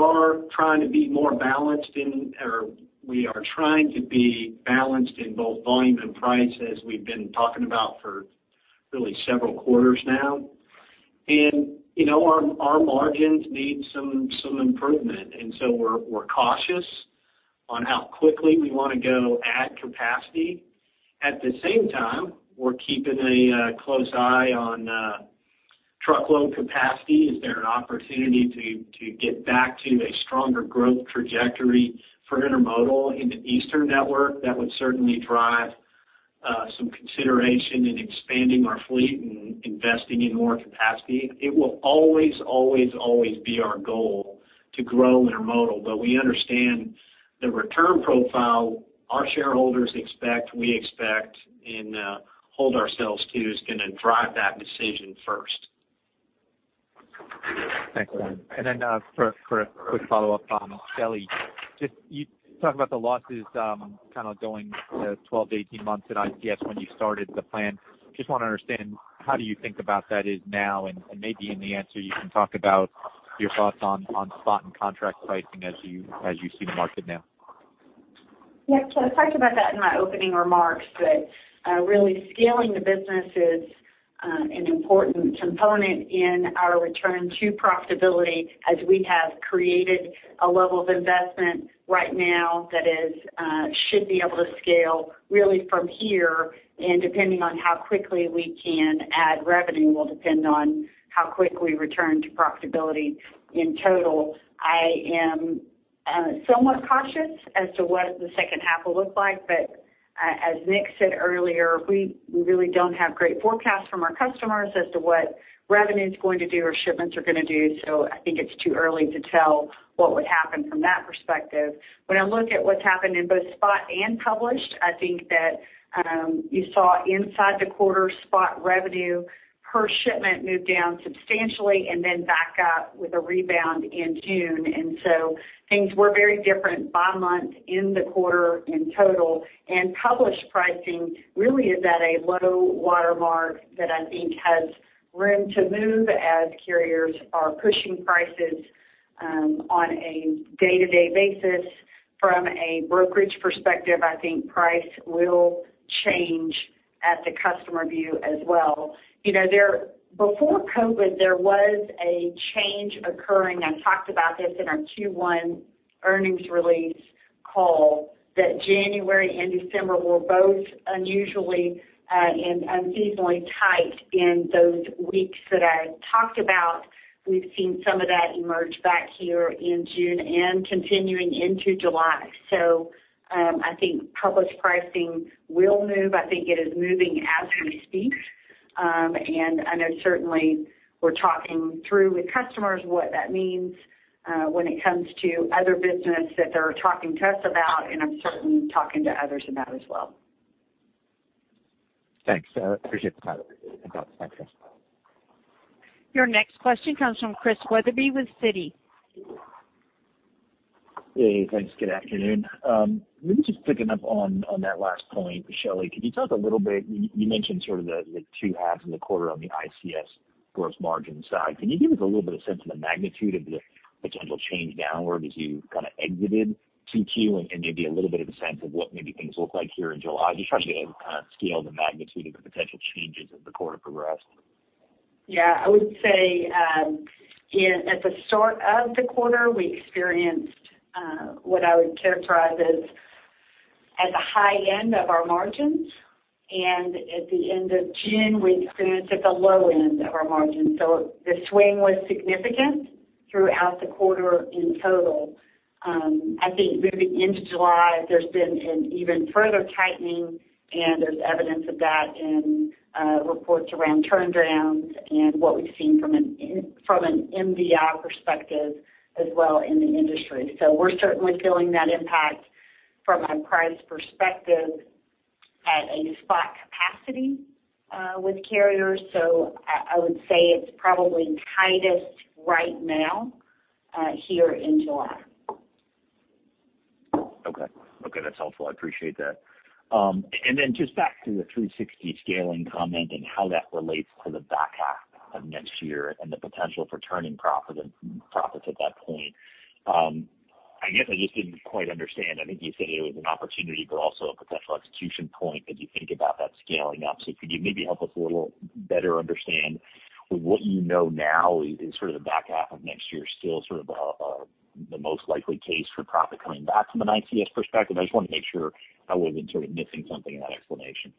are trying to be more balanced in, or we are trying to be balanced in both volume and price, as we've been talking about for really several quarters now. Our margins need some improvement, and so we're cautious on how quickly we want to go add capacity. At the same time, we're keeping a close eye on truckload capacity. Is there an opportunity to get back to a stronger growth trajectory for Intermodal in the eastern network? That would certainly drive some consideration in expanding our fleet and investing in more capacity. It will always be our goal to grow Intermodal. We understand the return profile our shareholders expect, we expect, and hold ourselves to is going to drive that decision first. Thanks, John. For a quick follow-up, Shelley, just you talk about the losses going 12 to 18 months at ICS when you started the plan. Just want to understand how do you think about that now? Maybe in the answer, you can talk about your thoughts on spot and contract pricing as you see the market now. Yeah. I talked about that in my opening remarks, that really scaling the business is an important component in our return to profitability as we have created a level of investment right now that should be able to scale really from here. Depending on how quickly we can add revenue will depend on how quick we return to profitability. In total, I am somewhat cautious as to what the second half will look like. As Nick said earlier, we really don't have great forecasts from our customers as to what revenue's going to do or shipments are going to do. I think it's too early to tell what would happen from that perspective. When I look at what's happened in both spot and published, I think that you saw inside the quarter, spot revenue per shipment moved down substantially and then back up with a rebound in June. Things were very different by month in the quarter in total. Published pricing really is at a low watermark that I think has room to move as carriers are pushing prices on a day-to-day basis. From a brokerage perspective, I think price will change at the customer view as well. Before COVID, there was a change occurring. I talked about this in our Q1 earnings release call, that January and December were both unusually and unseasonally tight in those weeks that I talked about. We've seen some of that emerge back here in June and continuing into July. I think published pricing will move. I think it is moving as we speak. I know certainly we're talking through with customers what that means when it comes to other business that they're talking to us about, and I'm certainly talking to others about as well. Thanks. I appreciate the time. Thanks. Your next question comes from Chris Wetherbee with Citi. Hey, thanks. Good afternoon. Maybe just picking up on that last point, Shelley, could you tell us a little bit, you mentioned sort of the two halves of the quarter on the ICS gross margin side? Can you give us a little bit of a sense of the magnitude of the potential change downward as you exited 2Q and maybe a little bit of a sense of what maybe things look like here in July? Just trying to get a scale of the magnitude of the potential changes as the quarter progressed. Yeah, I would say at the start of the quarter, we experienced what I would characterize as at the high end of our margins. At the end of June, we experienced at the low end of our margins. The swing was significant throughout the quarter in total. I think moving into July, there's been an even further tightening, and there's evidence of that in reports around turndowns and what we've seen from an MDI perspective as well in the industry. We're certainly feeling that impact from a price perspective at a spot capacity with carriers. I would say it's probably tightest right now here in July. Okay. That's helpful. I appreciate that. Then just back to the 360 scaling comment and how that relates to the back half of next year and the potential for turning profits at that point. I guess I just didn't quite understand. I think you said it was an opportunity but also a potential execution point as you think about that scaling up. Could you maybe help us a little better understand what you know now? Is sort of the back half of next year still sort of the most likely case for profit coming back from an ICS perspective? I just want to make sure I wasn't sort of missing something in that explanation.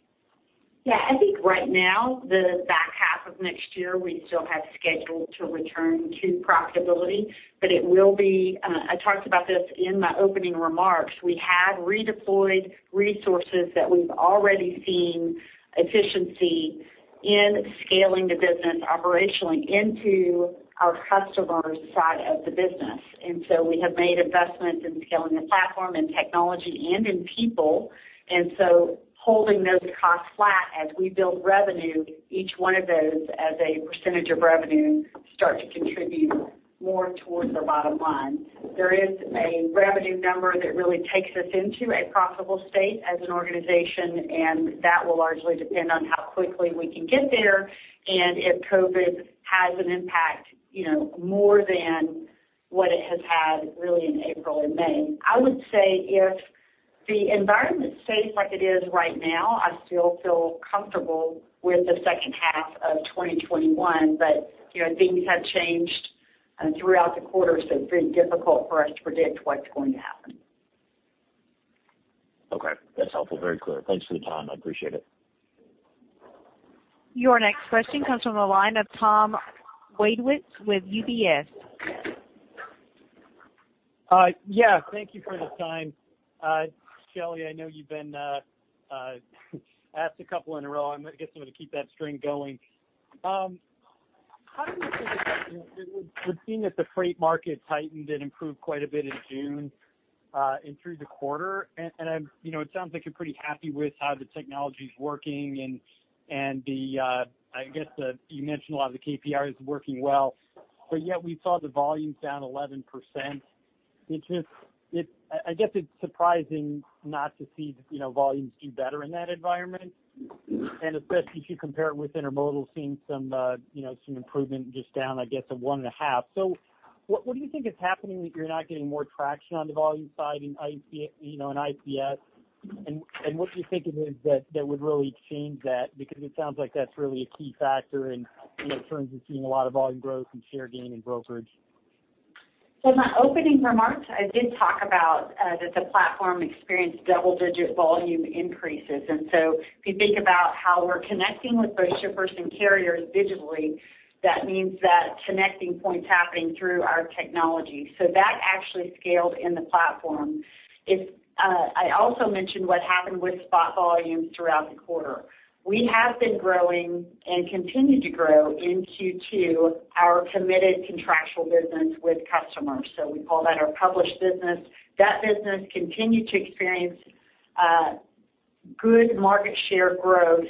Yeah, I think right now, the back half of next year, we still have scheduled to return to profitability. I talked about this in my opening remarks. We have redeployed resources that we've already seen efficiency in scaling the business operationally into our customers' side of the business. We have made investments in scaling the platform and technology and in people. Holding those costs flat as we build revenue, each one of those as a percentage of revenue start to contribute more towards our bottom line. There is a revenue number that really takes us into a profitable state as an organization, and that will largely depend on how quickly we can get there and if COVID has an impact more than what it has had really in April and May. I would say if the environment stays like it is right now, I still feel comfortable with the second half of 2021. Things have changed throughout the quarter, so it's very difficult for us to predict what's going to happen. Okay. That's helpful. Very clear. Thanks for the time. I appreciate it. Your next question comes from the line of Tom Wadewitz with UBS. Yeah. Thank you for the time. Shelley, I know you've been asked a couple in a row. I'm going to keep that string going. How do you think about the thing that the freight market tightened and improved quite a bit in June and through the quarter? It sounds like you're pretty happy with how the technology's working and I guess you mentioned a lot of the KPIs working well, but yet we saw the volumes down 11%. I guess it's surprising not to see volumes do better in that environment, and especially if you compare it with Intermodal seeing some improvement just down, I guess, of one and a half. What do you think is happening that you're not getting more traction on the volume side in ICS? What do you think it is that would really change that? It sounds like that's really a key factor in terms of seeing a lot of volume growth and share gain in brokerage. In my opening remarks, I did talk about that the platform experienced double-digit volume increases. If you think about how we're connecting with both shippers and carriers digitally, that means that connecting point's happening through our technology. That actually scaled in the platform. I also mentioned what happened with spot volumes throughout the quarter. We have been growing and continue to grow in Q2 our committed contractual business with customers. We call that our published business. That business continued to experience good market share growth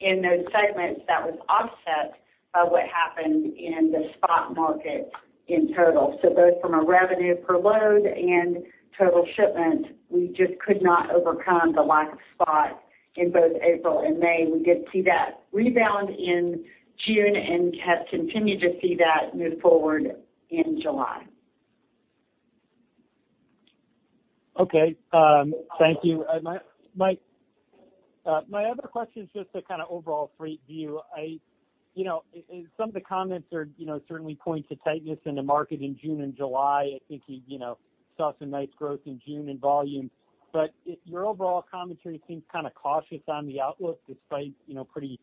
in those segments that was offset by what happened in the spot market in total. Both from a revenue per load and total shipment, we just could not overcome the lack of spot in both April and May. We did see that rebound in June and continue to see that move forward in July. Okay. Thank you. My other question is just a kind of overall freight view. Some of the comments certainly point to tightness in the market in June and July. I think you saw some nice growth in June in volume. Your overall commentary seems kind of cautious on the outlook despite pretty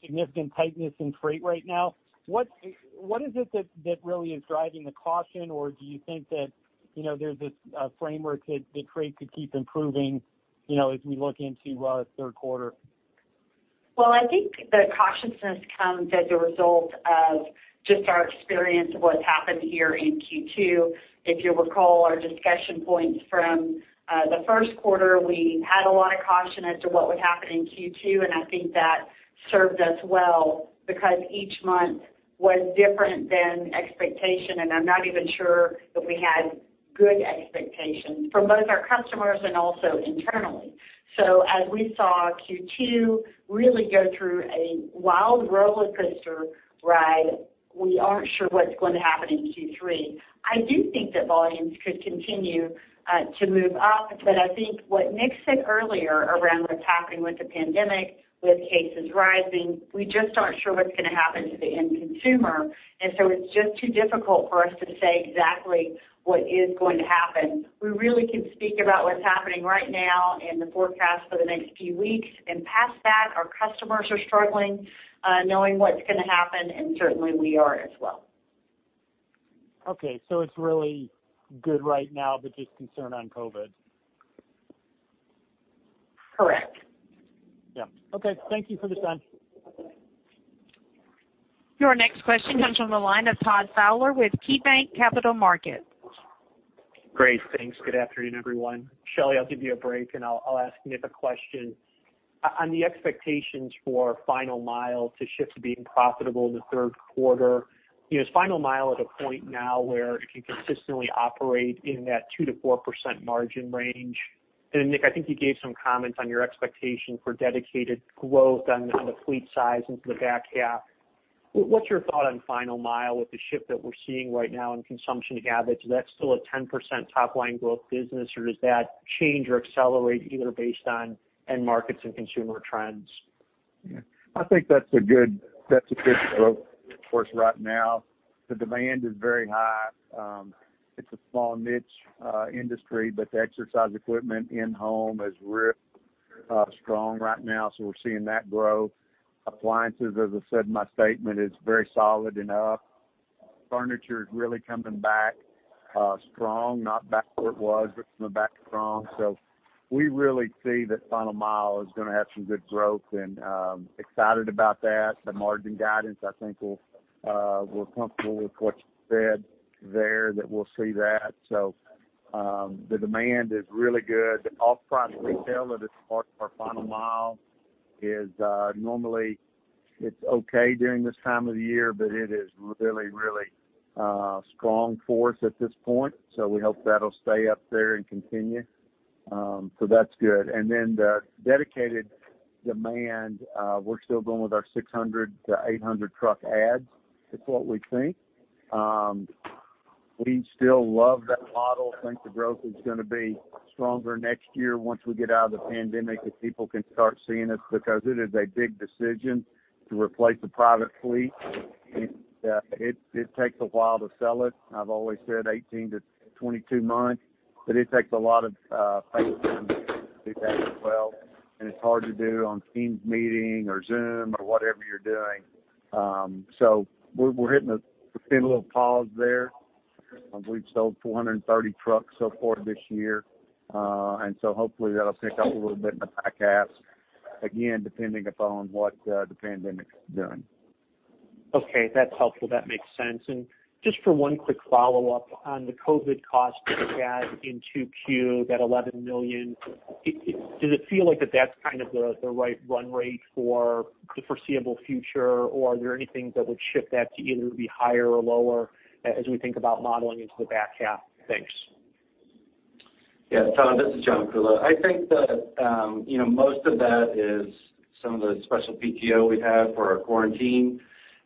significant tightness in freight right now. What is it that really is driving the caution? Do you think that there's this framework that freight could keep improving as we look into third quarter? Well, I think the cautiousness comes as a result of just our experience of what's happened here in Q2. If you'll recall our discussion points from the first quarter, we had a lot of caution as to what would happen in Q2, and I think that served us well because each month was different than expectation, and I'm not even sure that we had good expectations from both our customers and also internally. As we saw Q2 really go through a wild rollercoaster ride, we aren't sure what's going to happen in Q3. I do think that volumes could continue to move up, but I think what Nick said earlier around what's happening with the pandemic, with cases rising, we just aren't sure what's going to happen to the end consumer. It's just too difficult for us to say exactly what is going to happen. We really can speak about what's happening right now and the forecast for the next few weeks, and past that, our customers are struggling knowing what's going to happen, and certainly we are as well. Okay, it's really good right now. Just concerned on COVID. Correct. Yeah. Okay, thank you for the time. Your next question comes from the line of Todd Fowler with KeyBanc Capital Markets. Great. Thanks. Good afternoon, everyone. Shelley, I'll give you a break. I'll ask Nick a question. On the expectations for Final Mile to shift to being profitable in the third quarter, is Final Mile at a point now where it can consistently operate in that 2%-4% margin range? Nick, I think you gave some comments on your expectation for Dedicated growth on the fleet size into the back half. What's your thought on Final Mile with the shift that we're seeing right now in consumption habits? Is that still a 10% top-line growth business, does that change or accelerate either based on end markets and consumer trends? Yeah. I think that's a good growth force right now. The demand is very high. It's a small niche industry, but the exercise equipment in home is really strong right now, so we're seeing that growth. Appliances, as I said in my statement, is very solid and up. Furniture is really coming back strong, not back to where it was, but coming back strong. We really see that Final Mile Services is going to have some good growth and excited about that. The margin guidance, I think we're comfortable with what you said there that we'll see that. The demand is really good. The off-price retail that is part of our Final Mile Services is normally it's okay during this time of the year, but it is really strong for us at this point, so we hope that'll stay up there and continue. That's good. The dedicated demand, we're still going with our 600 to 800 truck adds is what we think. We still love that model, think the growth is going to be stronger next year once we get out of the pandemic and people can start seeing us because it is a big decision to replace a private fleet. It takes a while to sell it. I've always said 18 to 22 months. It takes a lot of faith to do that as well, and it's hard to do on Teams meeting or Zoom or whatever you're doing. We're hitting a little pause there. We've sold 430 trucks so far this year. Hopefully that'll pick up a little bit in the back half. Again, depending upon what the pandemic is doing. Okay. That's helpful. That makes sense. Just for one quick follow-up on the COVID cost that you had in 2Q, that $11 million, does it feel like that that's the right run rate for the foreseeable future, or is there anything that would shift that to either be higher or lower as we think about modeling into the back half? Thanks. Yeah. Todd, this is John Kuhlow. I think that most of that is some of the special PTO we have for our quarantine,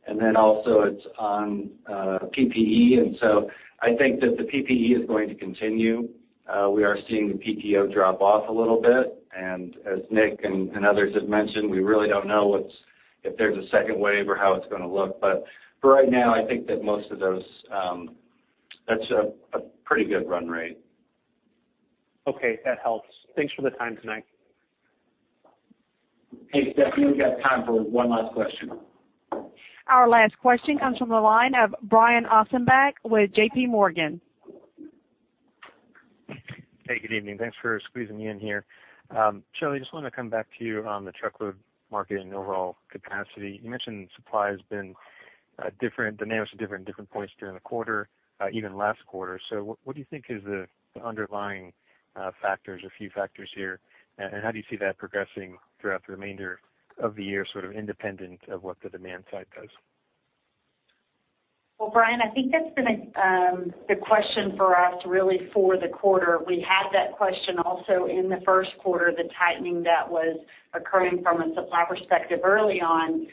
and then also it's on PPE. I think that the PPE is going to continue. We are seeing the PTO drop off a little bit, and as Nick and others have mentioned, we really don't know if there's a second wave or how it's going to look. For right now, I think that most of those, that's a pretty good run rate. Okay. That helps. Thanks for the time tonight. Hey, Stephanie, we've got time for one last question. Our last question comes from the line of Brian Ossenbeck with JPMorgan. Hey, good evening. Thanks for squeezing me in here. Shelley, just want to come back to you on the truckload market and overall capacity. You mentioned supply has been different, dynamics are different at different points during the quarter, even last quarter. What do you think is the underlying factors or key factors here, and how do you see that progressing throughout the remainder of the year, sort of independent of what the demand side does? Well, Brian, I think that's been the question for us really for the quarter. We had that question also in the first quarter, the tightening that was occurring from a supply perspective early on.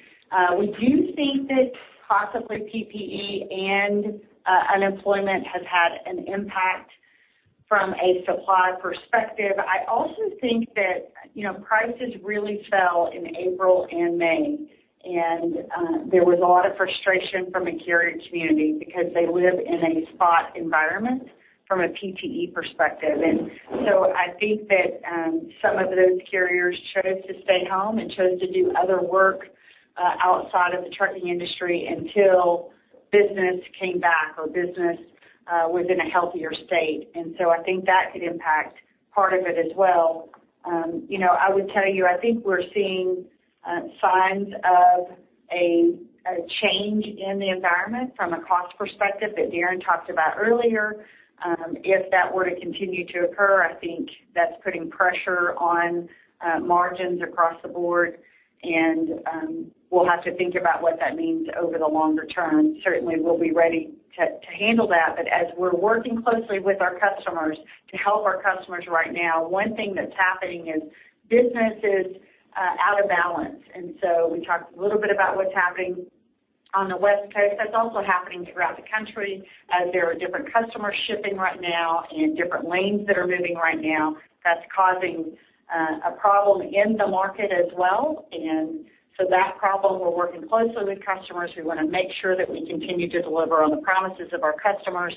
We do think that possibly PPE and unemployment has had an impact from a supply perspective. I also think that prices really fell in April and May, and there was a lot of frustration from the carrier community because they live in a spot environment from a PPE perspective. I think that some of those carriers chose to stay home and chose to do other work outside of the trucking industry until business came back or business was in a healthier state. I think that could impact part of it as well. I would tell you, I think we're seeing signs of a change in the environment from a cost perspective that Darren talked about earlier. If that were to continue to occur, I think that's putting pressure on margins across the board, and we'll have to think about what that means over the longer term. Certainly, we'll be ready to handle that. As we're working closely with our customers to help our customers right now, one thing that's happening is business is out of balance. We talked a little bit about what's happening on the West Coast. That's also happening throughout the country. There are different customers shipping right now and different lanes that are moving right now. That's causing a problem in the market as well. That problem, we're working closely with customers. We want to make sure that we continue to deliver on the promises of our customers.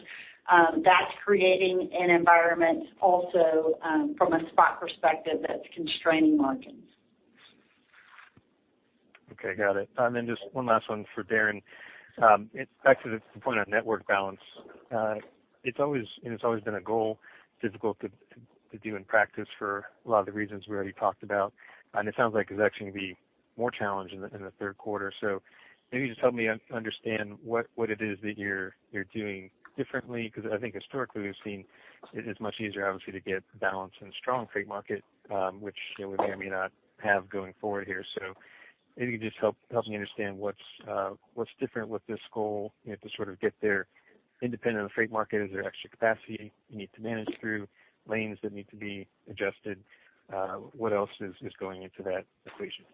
That's creating an environment also from a spot perspective that's constraining margins. Okay, got it. Just one last one for Darren. Back to the point on network balance. It's always been a goal, difficult to do in practice for a lot of the reasons we already talked about, and it sounds like it's actually going to be more challenging in the third quarter. Maybe just help me understand what it is that you're doing differently because I think historically we've seen it is much easier, obviously, to get balance in a strong freight market, which we may or may not have going forward here. Maybe you can just help me understand what's different with this goal to sort of get there. Independent of the freight market, is there extra capacity you need to manage through, lanes that need to be adjusted? What else is going into that equation?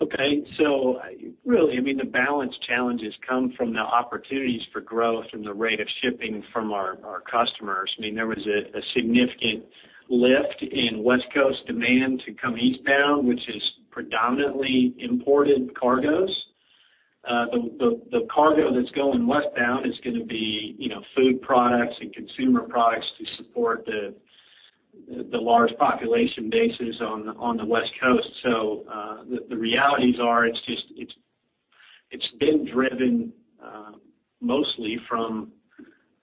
Okay. Really, the balance challenges come from the opportunities for growth and the rate of shipping from our customers. There was a significant lift in West Coast demand to come eastbound, which is predominantly imported cargoes. The cargo that's going westbound is going to be food products and consumer products to support the large population bases on the West Coast. The realities are it's been driven mostly from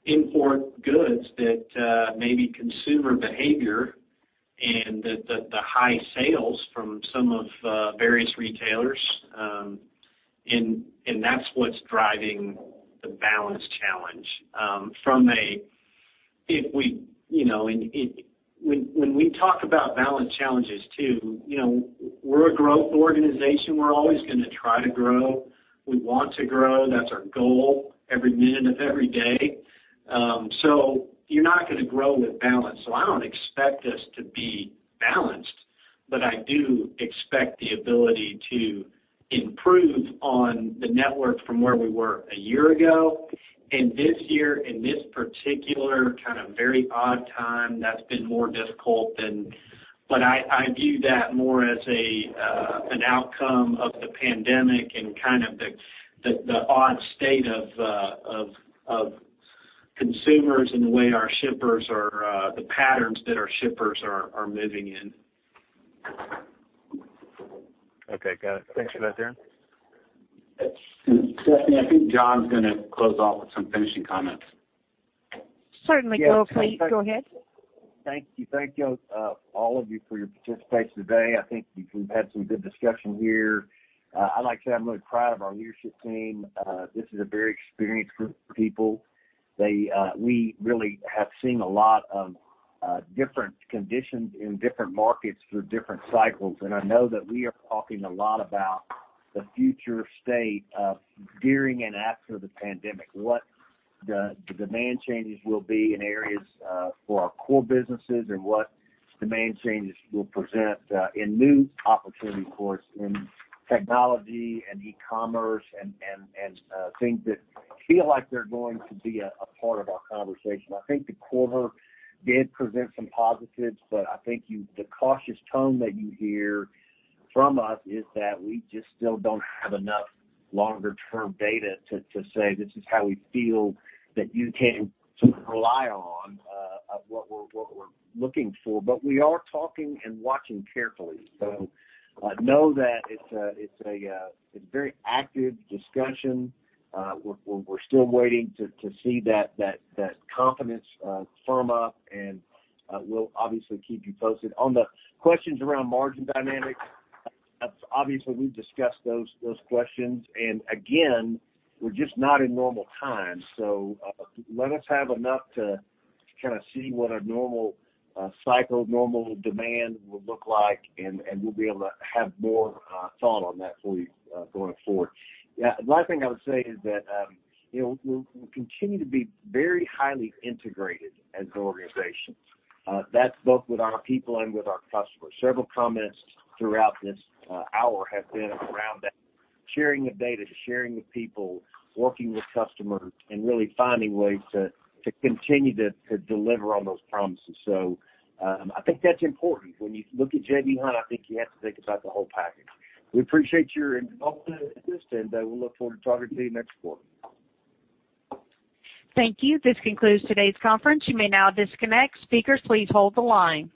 import goods that may be consumer behavior and the high sales from some of various retailers. That's what's driving the balance challenge. When we talk about balance challenges too, we're a growth organization. We're always going to try to grow. We want to grow. That's our goal every minute of every day. You're not going to grow with balance. I don't expect us to be balanced, but I do expect the ability to improve on the network from where we were a year ago. This year, in this particular kind of very odd time, that's been more difficult. I view that more as an outcome of the pandemic and the odd state of consumers and the patterns that our shippers are moving in. Okay, got it. Thanks for that, Darren. Stephanie, I think John's going to close off with some finishing comments. Certainly. Go ahead. Thank you. Thank you all of you for your participation today. I think we've had some good discussion here. I'd like to say I'm really proud of our leadership team. This is a very experienced group of people. We really have seen a lot of different conditions in different markets through different cycles. I know that we are talking a lot about the future state of during and after the pandemic, what the demand changes will be in areas for our core businesses and what demand changes will present in new opportunity, of course in technology and e-commerce and things that feel like they're going to be a part of our conversation. I think the quarter did present some positives, but I think the cautious tone that you hear from us is that we just still don't have enough longer term data to say this is how we feel that you can rely on of what we're looking for. We are talking and watching carefully. Know that it's a very active discussion. We're still waiting to see that confidence firm up, and we'll obviously keep you posted. On the questions around margin dynamics, obviously we've discussed those questions, and again, we're just not in normal times. Let us have enough to see what a normal cycle, normal demand would look like, and we'll be able to have more thought on that for you going forward. The last thing I would say is that we'll continue to be very highly integrated as an organization. That's both with our people and with our customers. Several comments throughout this hour have been around that sharing of data, sharing with people, working with customers, and really finding ways to continue to deliver on those promises. I think that's important. When you look at J.B. Hunt, I think you have to think about the whole package. We appreciate your involvement in this, and we look forward to talking to you next quarter. Thank you. This concludes today's conference. You may now disconnect. Speakers, please hold the line.